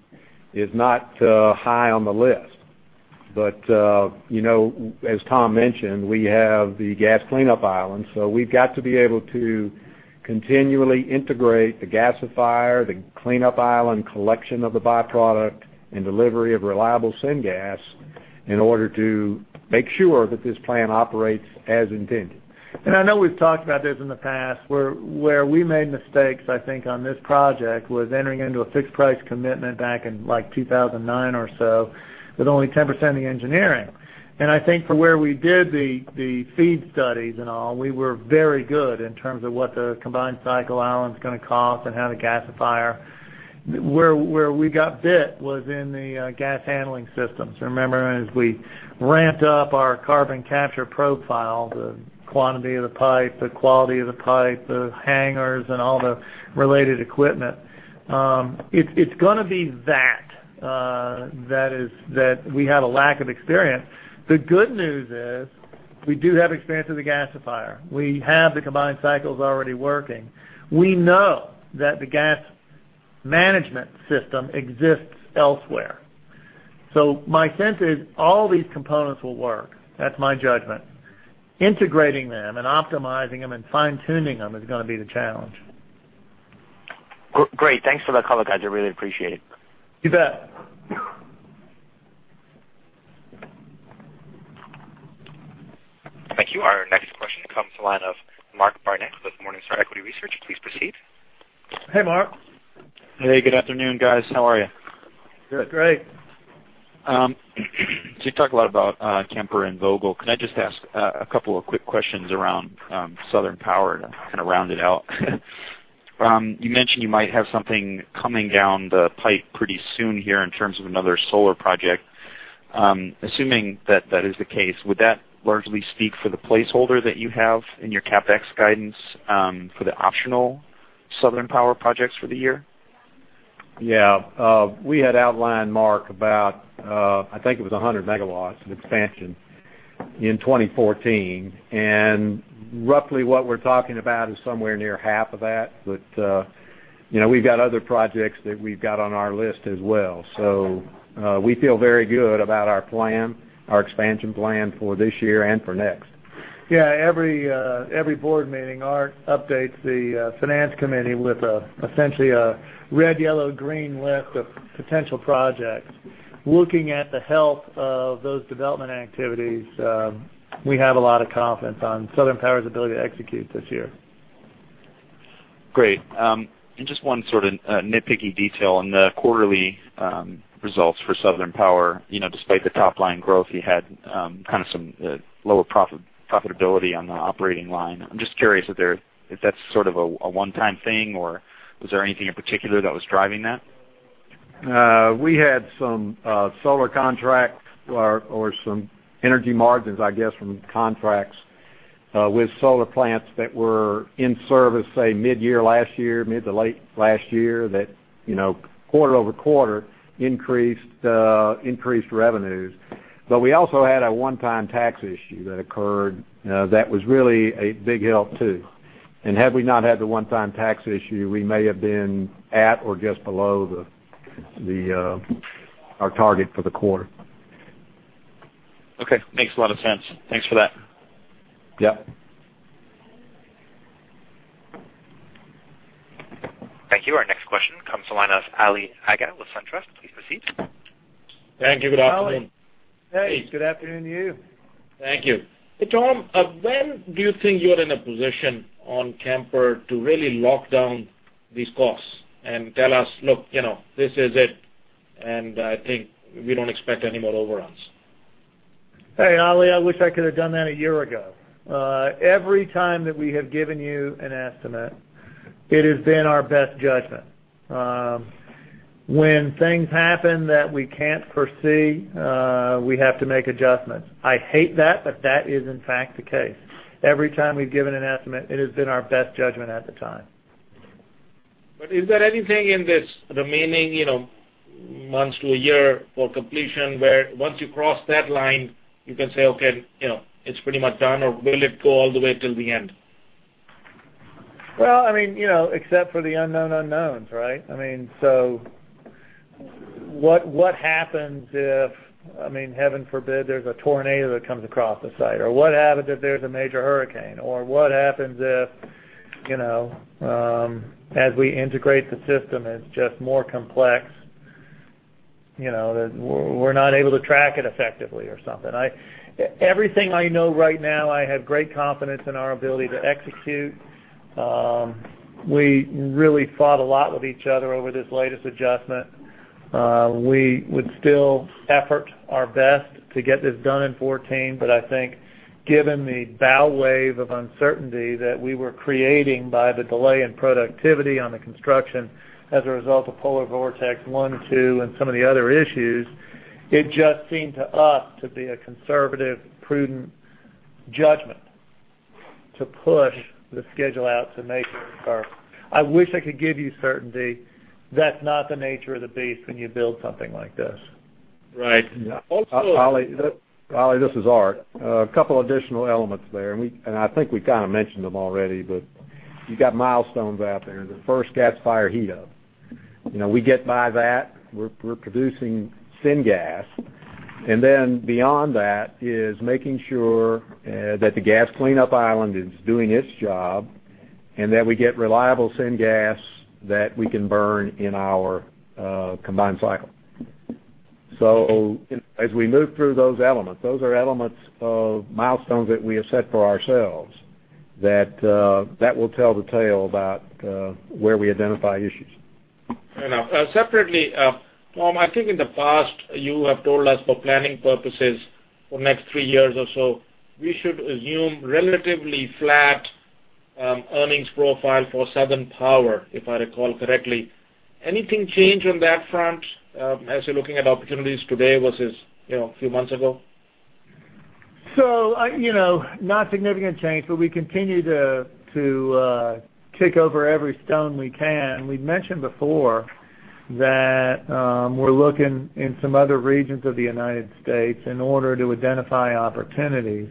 is not high on the list. But as Tom mentioned, we have the gas cleanup island. We've got to be able to continually integrate the gasifier, the cleanup island collection of the byproduct, and delivery of reliable syngas In order to make sure that this plant operates as intended. I know we've talked about this in the past, where we made mistakes, I think, on this project was entering into a fixed price commitment back in 2009 or so, with only 10% of the engineering. I think for where we did the feed studies and all, we were very good in terms of what the combined cycle island's going to cost and how the gasifier. Where we got bit was in the gas handling systems. Remember, as we ramped up our carbon capture profile, the quantity of the pipe, the quality of the pipe, the hangers, and all the related equipment. It's going to be that. That we have a lack of experience. The good news is we do have experience with the gasifier. We have the combined cycles already working. We know that the gas management system exists elsewhere. My sense is all these components will work. That's my judgment. Integrating them and optimizing them and fine-tuning them is going to be the challenge. Great. Thanks for that color, guys. I really appreciate it. You bet. Thank you. Our next question comes from the line of Mark Barnett with Morningstar Equity Research. Please proceed. Hey, Mark. Hey, good afternoon, guys. How are you? Good. Great. You talk a lot about Kemper and Vogtle. Could I just ask a couple of quick questions around Southern Power to kind of round it out? You mentioned you might have something coming down the pipe pretty soon here in terms of another solar project. Assuming that that is the case, would that largely speak for the placeholder that you have in your CapEx guidance for the optional Southern Power projects for the year? Yeah. We had outlined, Mark, about, I think it was 100 megawatts of expansion in 2014. Roughly what we're talking about is somewhere near half of that. We've got other projects that we've got on our list as well. We feel very good about our plan, our expansion plan for this year and for next. Yeah, every board meeting, Art updates the finance committee with essentially a red, yellow, green list of potential projects. Looking at the health of those development activities, we have a lot of confidence on Southern Power's ability to execute this year. Great. Just one sort of nitpicky detail on the quarterly results for Southern Power. Despite the top-line growth, you had kind of some lower profitability on the operating line. I'm just curious if that's sort of a one-time thing, or was there anything in particular that was driving that? We had some solar contracts or some energy margins, I guess, from contracts with solar plants that were in service, say, mid-year last year, mid to late last year that quarter-over-quarter increased revenues. We also had a one-time tax issue that occurred. That was really a big help, too. Had we not had the one-time tax issue, we may have been at or just below our target for the quarter. Okay. Makes a lot of sense. Thanks for that. Yep. Thank you. Our next question comes to the line of Ali Agha with SunTrust. Please proceed. Thank you. Good afternoon. Ali. Hey, good afternoon to you. Thank you. Hey, Tom, when do you think you are in a position on Kemper to really lock down these costs and tell us, "Look, this is it, and I think we don't expect any more overruns? Hey, Ali, I wish I could have done that a year ago. Every time that we have given you an estimate, it has been our best judgment. When things happen that we can't foresee, we have to make adjustments. I hate that is in fact the case. Every time we've given an estimate, it has been our best judgment at the time. Is there anything in this remaining months to a year for completion where once you cross that line, you can say, "Okay, it's pretty much done," or will it go all the way till the end? Well, except for the unknown unknowns, right? What happens if, heaven forbid, there's a tornado that comes across the site? What happens if there's a major hurricane? What happens if, as we integrate the system, it's just more complex that we're not able to track it effectively or something. Everything I know right now, I have great confidence in our ability to execute. We really fought a lot with each other over this latest adjustment. We would still effort our best to get this done in 2014, but I think given the bow wave of uncertainty that we were creating by the delay in productivity on the construction as a result of polar vortex 1, 2, and some of the other issues, it just seemed to us to be a conservative, prudent judgment to push the schedule out to May first. I wish I could give you certainty. That's not the nature of the beast when you build something like this. Right. Ali, this is Art. A couple additional elements there, and I think we kind of mentioned them already, but you got milestones out there. The first gasifier heat up. We get by that, we're producing syngas. Then beyond that is making sure that the gas cleanup island is doing its job. That we get reliable syngas that we can burn in our combined cycle. As we move through those elements, those are elements of milestones that we have set for ourselves that will tell the tale about where we identify issues. Fair enough. Separately, Tom, I think in the past you have told us for planning purposes for next 3 years or so, we should assume relatively flat earnings profile for Southern Power, if I recall correctly. Anything change on that front as you're looking at opportunities today versus a few months ago? Not significant change, but we continue to kick over every stone we can. We've mentioned before that we're looking in some other regions of the United States in order to identify opportunities.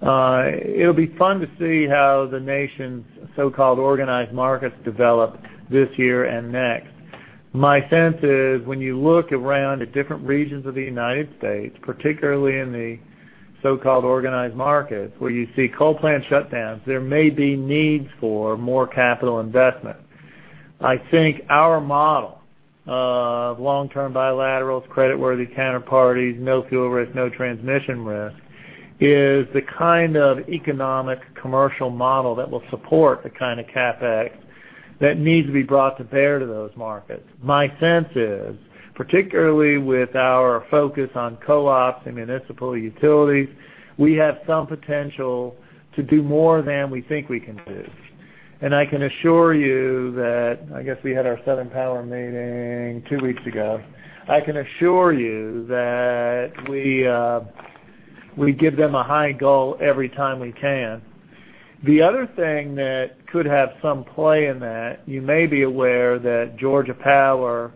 It'll be fun to see how the nation's so-called organized markets develop this year and next. My sense is when you look around at different regions of the United States, particularly in the so-called organized markets where you see coal plant shutdowns, there may be needs for more capital investment. I think our model of long-term bilaterals, creditworthy counterparties, no fuel risk, no transmission risk, is the kind of economic commercial model that will support the kind of CapEx that needs to be brought to bear to those markets. My sense is, particularly with our focus on co-ops and municipal utilities, we have some potential to do more than we think we can do. I can assure you that, I guess we had our Southern Power meeting 2 weeks ago. I can assure you that we give them a high goal every time we can. The other thing that could have some play in that, you may be aware that Georgia Power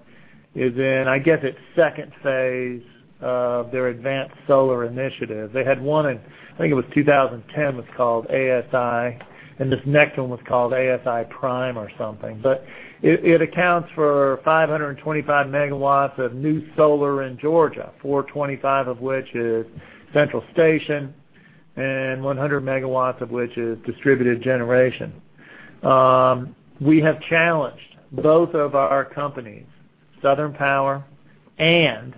is in, I guess, its second phase of their Advanced Solar Initiative. They had one in, I think it was 2010, was called ASI, and this next one was called ASI Prime or something. It accounts for 525 MW of new solar in Georgia, 425 of which is Central Station and 100 MW of which is distributed generation. We have challenged both of our companies, Southern Power and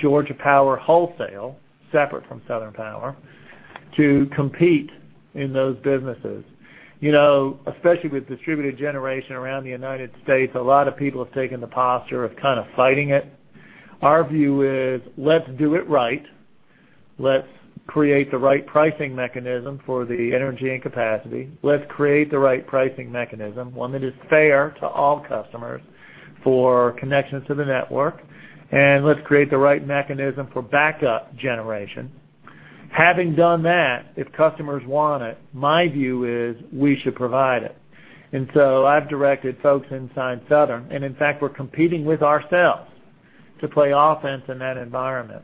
Georgia Power Wholesale, separate from Southern Power, to compete in those businesses. Especially with distributed generation around the United States, a lot of people have taken the posture of kind of fighting it. Our view is let's do it right. Let's create the right pricing mechanism for the energy and capacity. Let's create the right pricing mechanism, one that is fair to all customers for connections to the network. Let's create the right mechanism for backup generation. Having done that, if customers want it, my view is we should provide it. I've directed folks inside Southern, and in fact, we're competing with ourselves to play offense in that environment.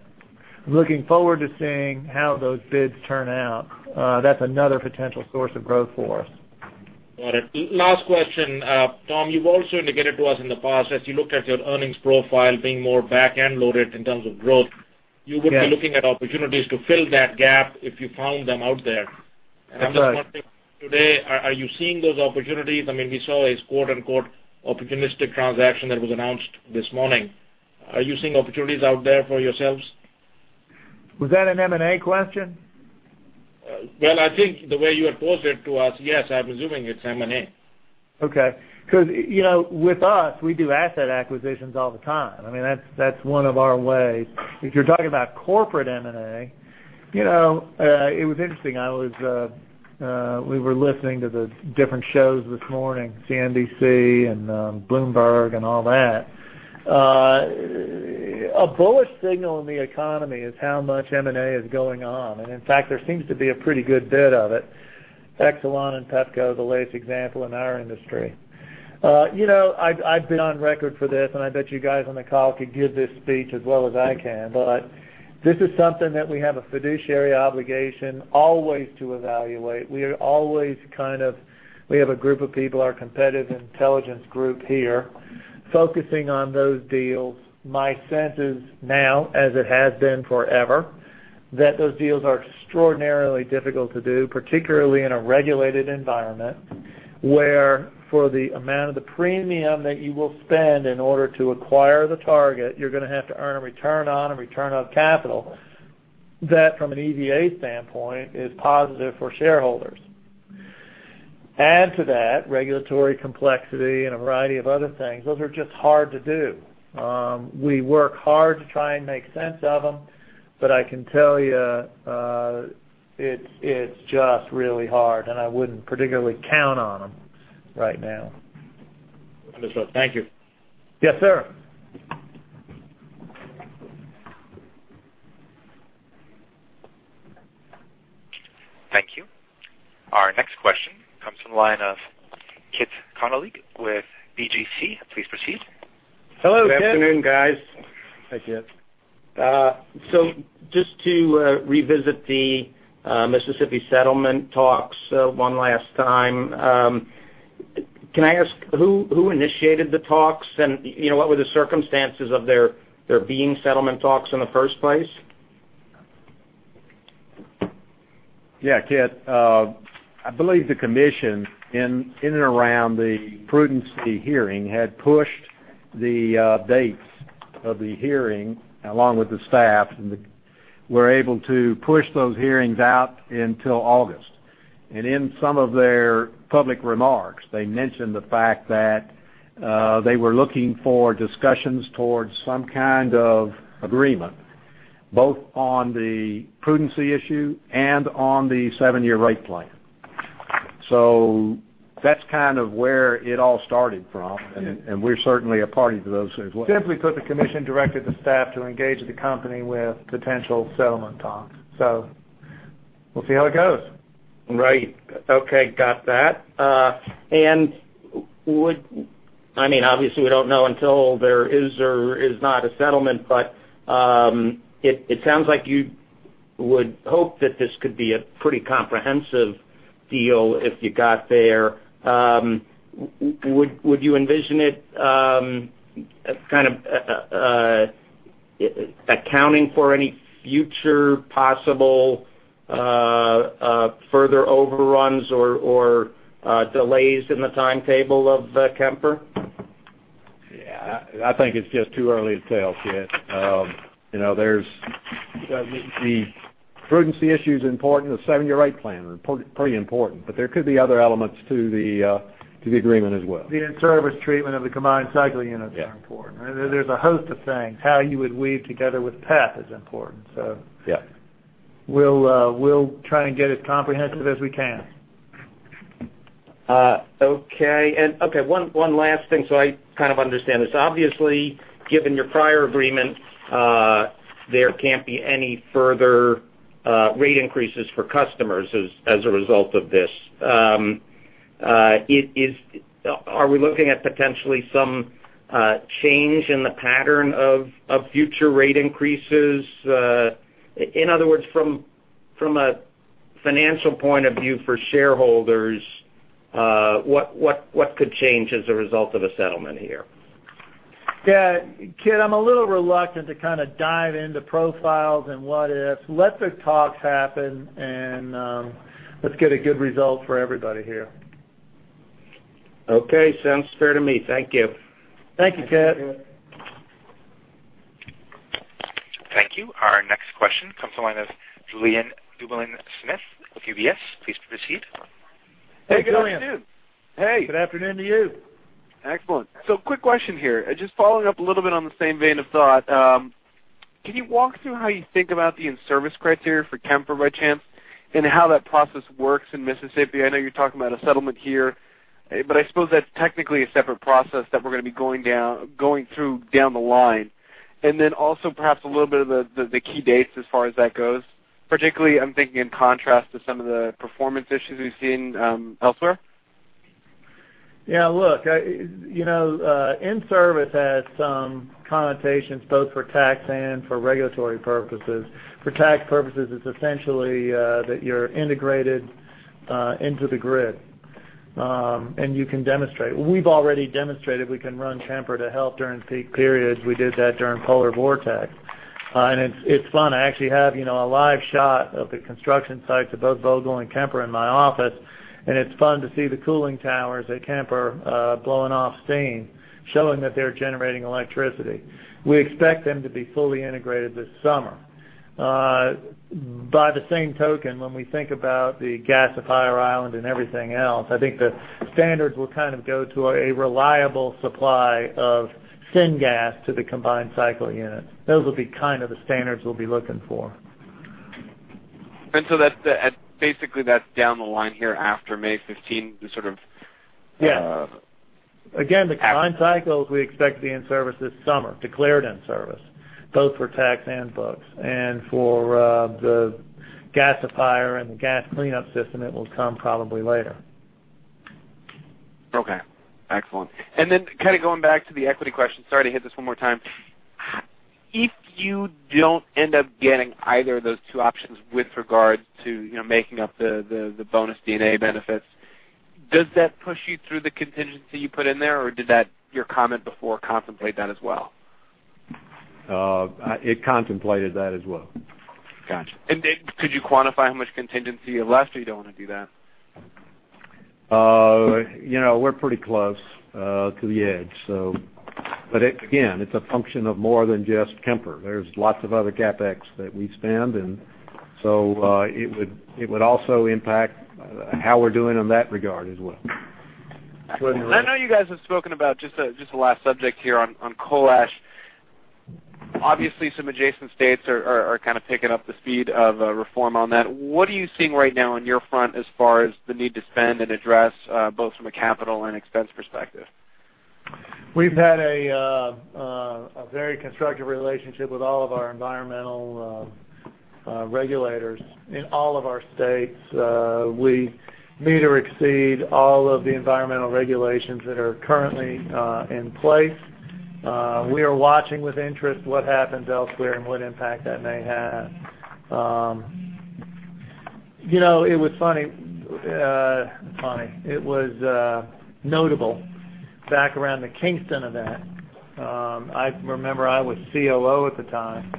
I'm looking forward to seeing how those bids turn out. That's another potential source of growth for us. Got it. Last question. Tom, you've also indicated to us in the past, as you looked at your earnings profile being more back-end loaded in terms of growth. Yes you would be looking at opportunities to fill that gap if you found them out there. That's right. I'm just wondering, today, are you seeing those opportunities? We saw a quote unquote, "opportunistic transaction" that was announced this morning. Are you seeing opportunities out there for yourselves? Was that an M&A question? Well, I think the way you had posed it to us, yes, I'm assuming it's M&A. Okay. Because with us, we do asset acquisitions all the time. That's one of our ways. If you're talking about corporate M&A, it was interesting. We were listening to the different shows this morning, CNBC and Bloomberg and all that. A bullish signal in the economy is how much M&A is going on. In fact, there seems to be a pretty good bit of it. Exelon and Pepco are the latest example in our industry. I've been on record for this, I bet you guys on the call could give this speech as well as I can. This is something that we have a fiduciary obligation always to evaluate. We have a group of people, our competitive intelligence group here, focusing on those deals. My sense is now, as it has been forever, that those deals are extraordinarily difficult to do, particularly in a regulated environment, where for the amount of the premium that you will spend in order to acquire the target, you're going to have to earn a return on and return on capital. That from an EVA standpoint, is positive for shareholders. Add to that regulatory complexity and a variety of other things. Those are just hard to do. We work hard to try and make sense of them, but I can tell you it's just really hard, and I wouldn't particularly count on them right now. Understood. Thank you. Yes, sir. Thank you. Our next question comes from the line of Kit Connolly with BGC. Please proceed. Hello, Kit. Good afternoon, guys. Hi, Kit. Just to revisit the Mississippi settlement talks one last time. Can I ask who initiated the talks, and what were the circumstances of there being settlement talks in the first place? Yeah, Kit. I believe the commission in and around the prudency hearing had pushed the dates of the hearing along with the staff, and were able to push those hearings out until August. In some of their public remarks, they mentioned the fact that they were looking for discussions towards some kind of agreement, both on the prudency issue and on the seven-year rate plan. That's kind of where it all started from, and we're certainly a party to those as well. Simply put, the commission directed the staff to engage the company with potential settlement talks. We'll see how it goes. Right. Okay, got that. Obviously, we don't know until there is or is not a settlement, but it sounds like you would hope that this could be a pretty comprehensive deal if you got there. Would you envision it kind of accounting for any future possible further overruns or delays in the timetable of Kemper? Yeah. I think it's just too early to tell, Kit. The prudency issue's important, the seven-year rate plan, pretty important. There could be other elements to the agreement as well. The in-service treatment of the combined cycle units are important. Yeah. There's a host of things. How you would weave together with PATH is important. Yeah. We'll try and get as comprehensive as we can. Okay. One last thing so I kind of understand this. Obviously, given your prior agreement, there can't be any further rate increases for customers as a result of this. Are we looking at potentially some change in the pattern of future rate increases? In other words, from a financial point of view for shareholders, what could change as a result of a settlement here? Yeah. Kit, I'm a little reluctant to kind of dive into profiles and what ifs. Let the talks happen and let's get a good result for everybody here. Okay, sounds fair to me. Thank you. Thank you, Kit. Thank you. Thank you. Our next question comes from the line of Julien Dumoulin-Smith with UBS. Please proceed. Hey, Julien. Hey, good afternoon. Hey. Good afternoon to you. Excellent. Quick question here. Just following up a little bit on the same vein of thought. Can you walk through how you think about the in-service criteria for Kemper by chance, and how that process works in Mississippi? I know you're talking about a settlement here. I suppose that's technically a separate process that we're going to be going through down the line. Also perhaps a little bit of the key dates as far as that goes. Particularly, I'm thinking in contrast to some of the performance issues we've seen elsewhere. Yeah, look. In-service has some connotations both for tax and for regulatory purposes. For tax purposes, it's essentially that you're integrated into the grid. You can demonstrate. We've already demonstrated we can run Kemper to help during peak periods. We did that during polar vortex. It's fun. I actually have a live shot of the construction sites of both Vogtle and Kemper in my office, and it's fun to see the cooling towers at Kemper blowing off steam, showing that they're generating electricity. We expect them to be fully integrated this summer. By the same token, when we think about the gasifier island and everything else, I think the standards will kind of go to a reliable supply of syngas to the combined cycle units. Those will be kind of the standards we'll be looking for. Basically, that's down the line here after May 15. Yeah. Again, the combined cycles we expect to be in service this summer, declared in service. Both for tax and books. For the gasifier and the gas cleanup system, it will come probably later. Okay, excellent. Kind of going back to the equity question. Sorry to hit this one more time. If you don't end up getting either of those two options with regard to making up the bonus D&A benefits, does that push you through the contingency you put in there, or did your comment before contemplate that as well? It contemplated that as well. Got you. Could you quantify how much contingency you have left, or you don't want to do that? We're pretty close to the edge. Again, it's a function of more than just Kemper. There's lots of other CapEx that we spend. It would also impact how we're doing in that regard as well. Go ahead, Rick. I know you guys have spoken about, just the last subject here on coal ash. Obviously, some adjacent states are kind of picking up the speed of reform on that. What are you seeing right now on your front as far as the need to spend and address both from a capital and expense perspective? We've had a very constructive relationship with all of our environmental regulators in all of our states. We meet or exceed all of the environmental regulations that are currently in place. We are watching with interest what happens elsewhere and what impact that may have. It was funny. It was notable back around the Kingston event. I remember I was COO at the time,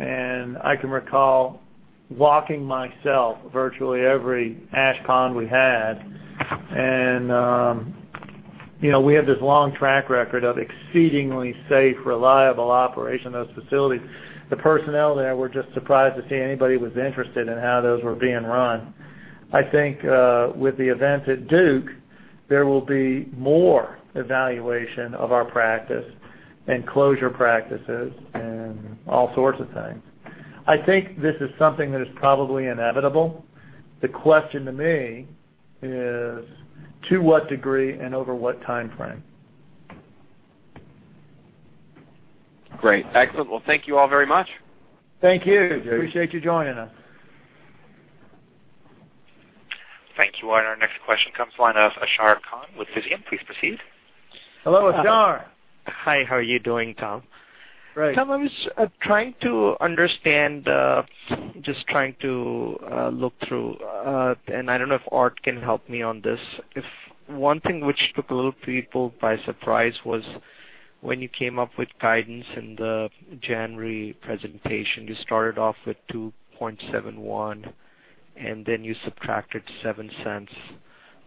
and I can recall walking myself virtually every ash pond we had. We have this long track record of exceedingly safe, reliable operation of those facilities. The personnel there were just surprised to see anybody was interested in how those were being run. I think with the event at Duke, there will be more evaluation of our practice and closure practices and all sorts of things. I think this is something that is probably inevitable. The question to me is to what degree and over what time frame? Great. Excellent. Well, thank you all very much. Thank you. Appreciate you joining us. Thank you. Our next question comes line of Ashar Khan with Visium. Please proceed. Hello, Ashar. Hi, how are you doing, Tom? Great. Tom, I was trying to understand, just trying to look through, and I don't know if Art can help me on this. If one thing which took a little people by surprise was when you came up with guidance in the January presentation. You started off with $2.71, and then you subtracted $0.07,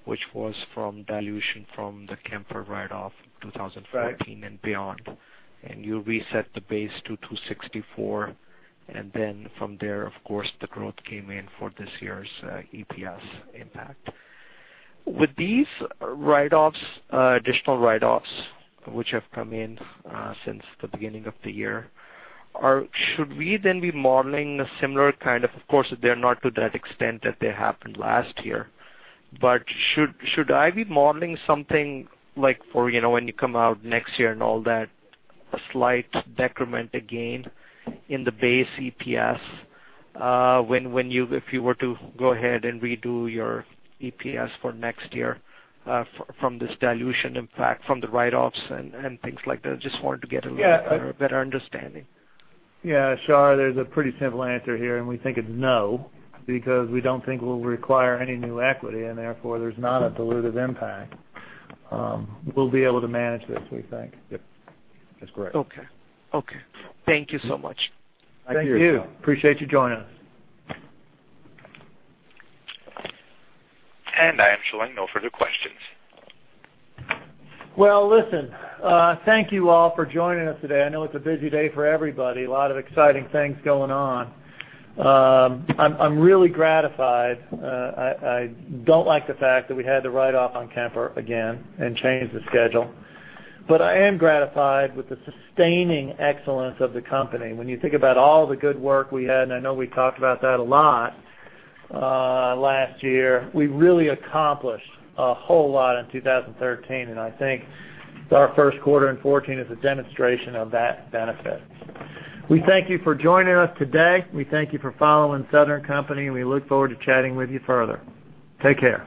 which was from dilution from the Kemper write-off of 2014 and beyond. You reset the base to $2.64. Then from there, of course, the growth came in for this year's EPS impact. With these additional write-offs which have come in since the beginning of the year, should we then be modeling a similar kind of? Of course, they're not to that extent that they happened last year. Should I be modeling something like for when you come out next year, a slight decrement, a gain in the base EPS, if you were to go ahead and redo your EPS for next year from this dilution impact from the write-offs and things like that? I just wanted to get a little better understanding. Yeah, Ashar, there's a pretty simple answer here. We think it's no, because we don't think we'll require any new equity, therefore, there's not a dilutive impact. We'll be able to manage this, we think. Yep. That's correct. Okay. Thank you so much. Thank you. Appreciate you joining us. I am showing no further questions. Well, listen. Thank you all for joining us today. I know it's a busy day for everybody. A lot of exciting things going on. I'm really gratified. I don't like the fact that we had to write off on Kemper again and change the schedule. I am gratified with the sustaining excellence of the company. When you think about all the good work we had, and I know we talked about that a lot last year, we really accomplished a whole lot in 2013, and I think our first quarter in 2014 is a demonstration of that benefit. We thank you for joining us today. We thank you for following Southern Company, and we look forward to chatting with you further. Take care.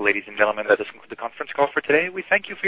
Ladies and gentlemen, that does conclude the conference call for today. We thank you for your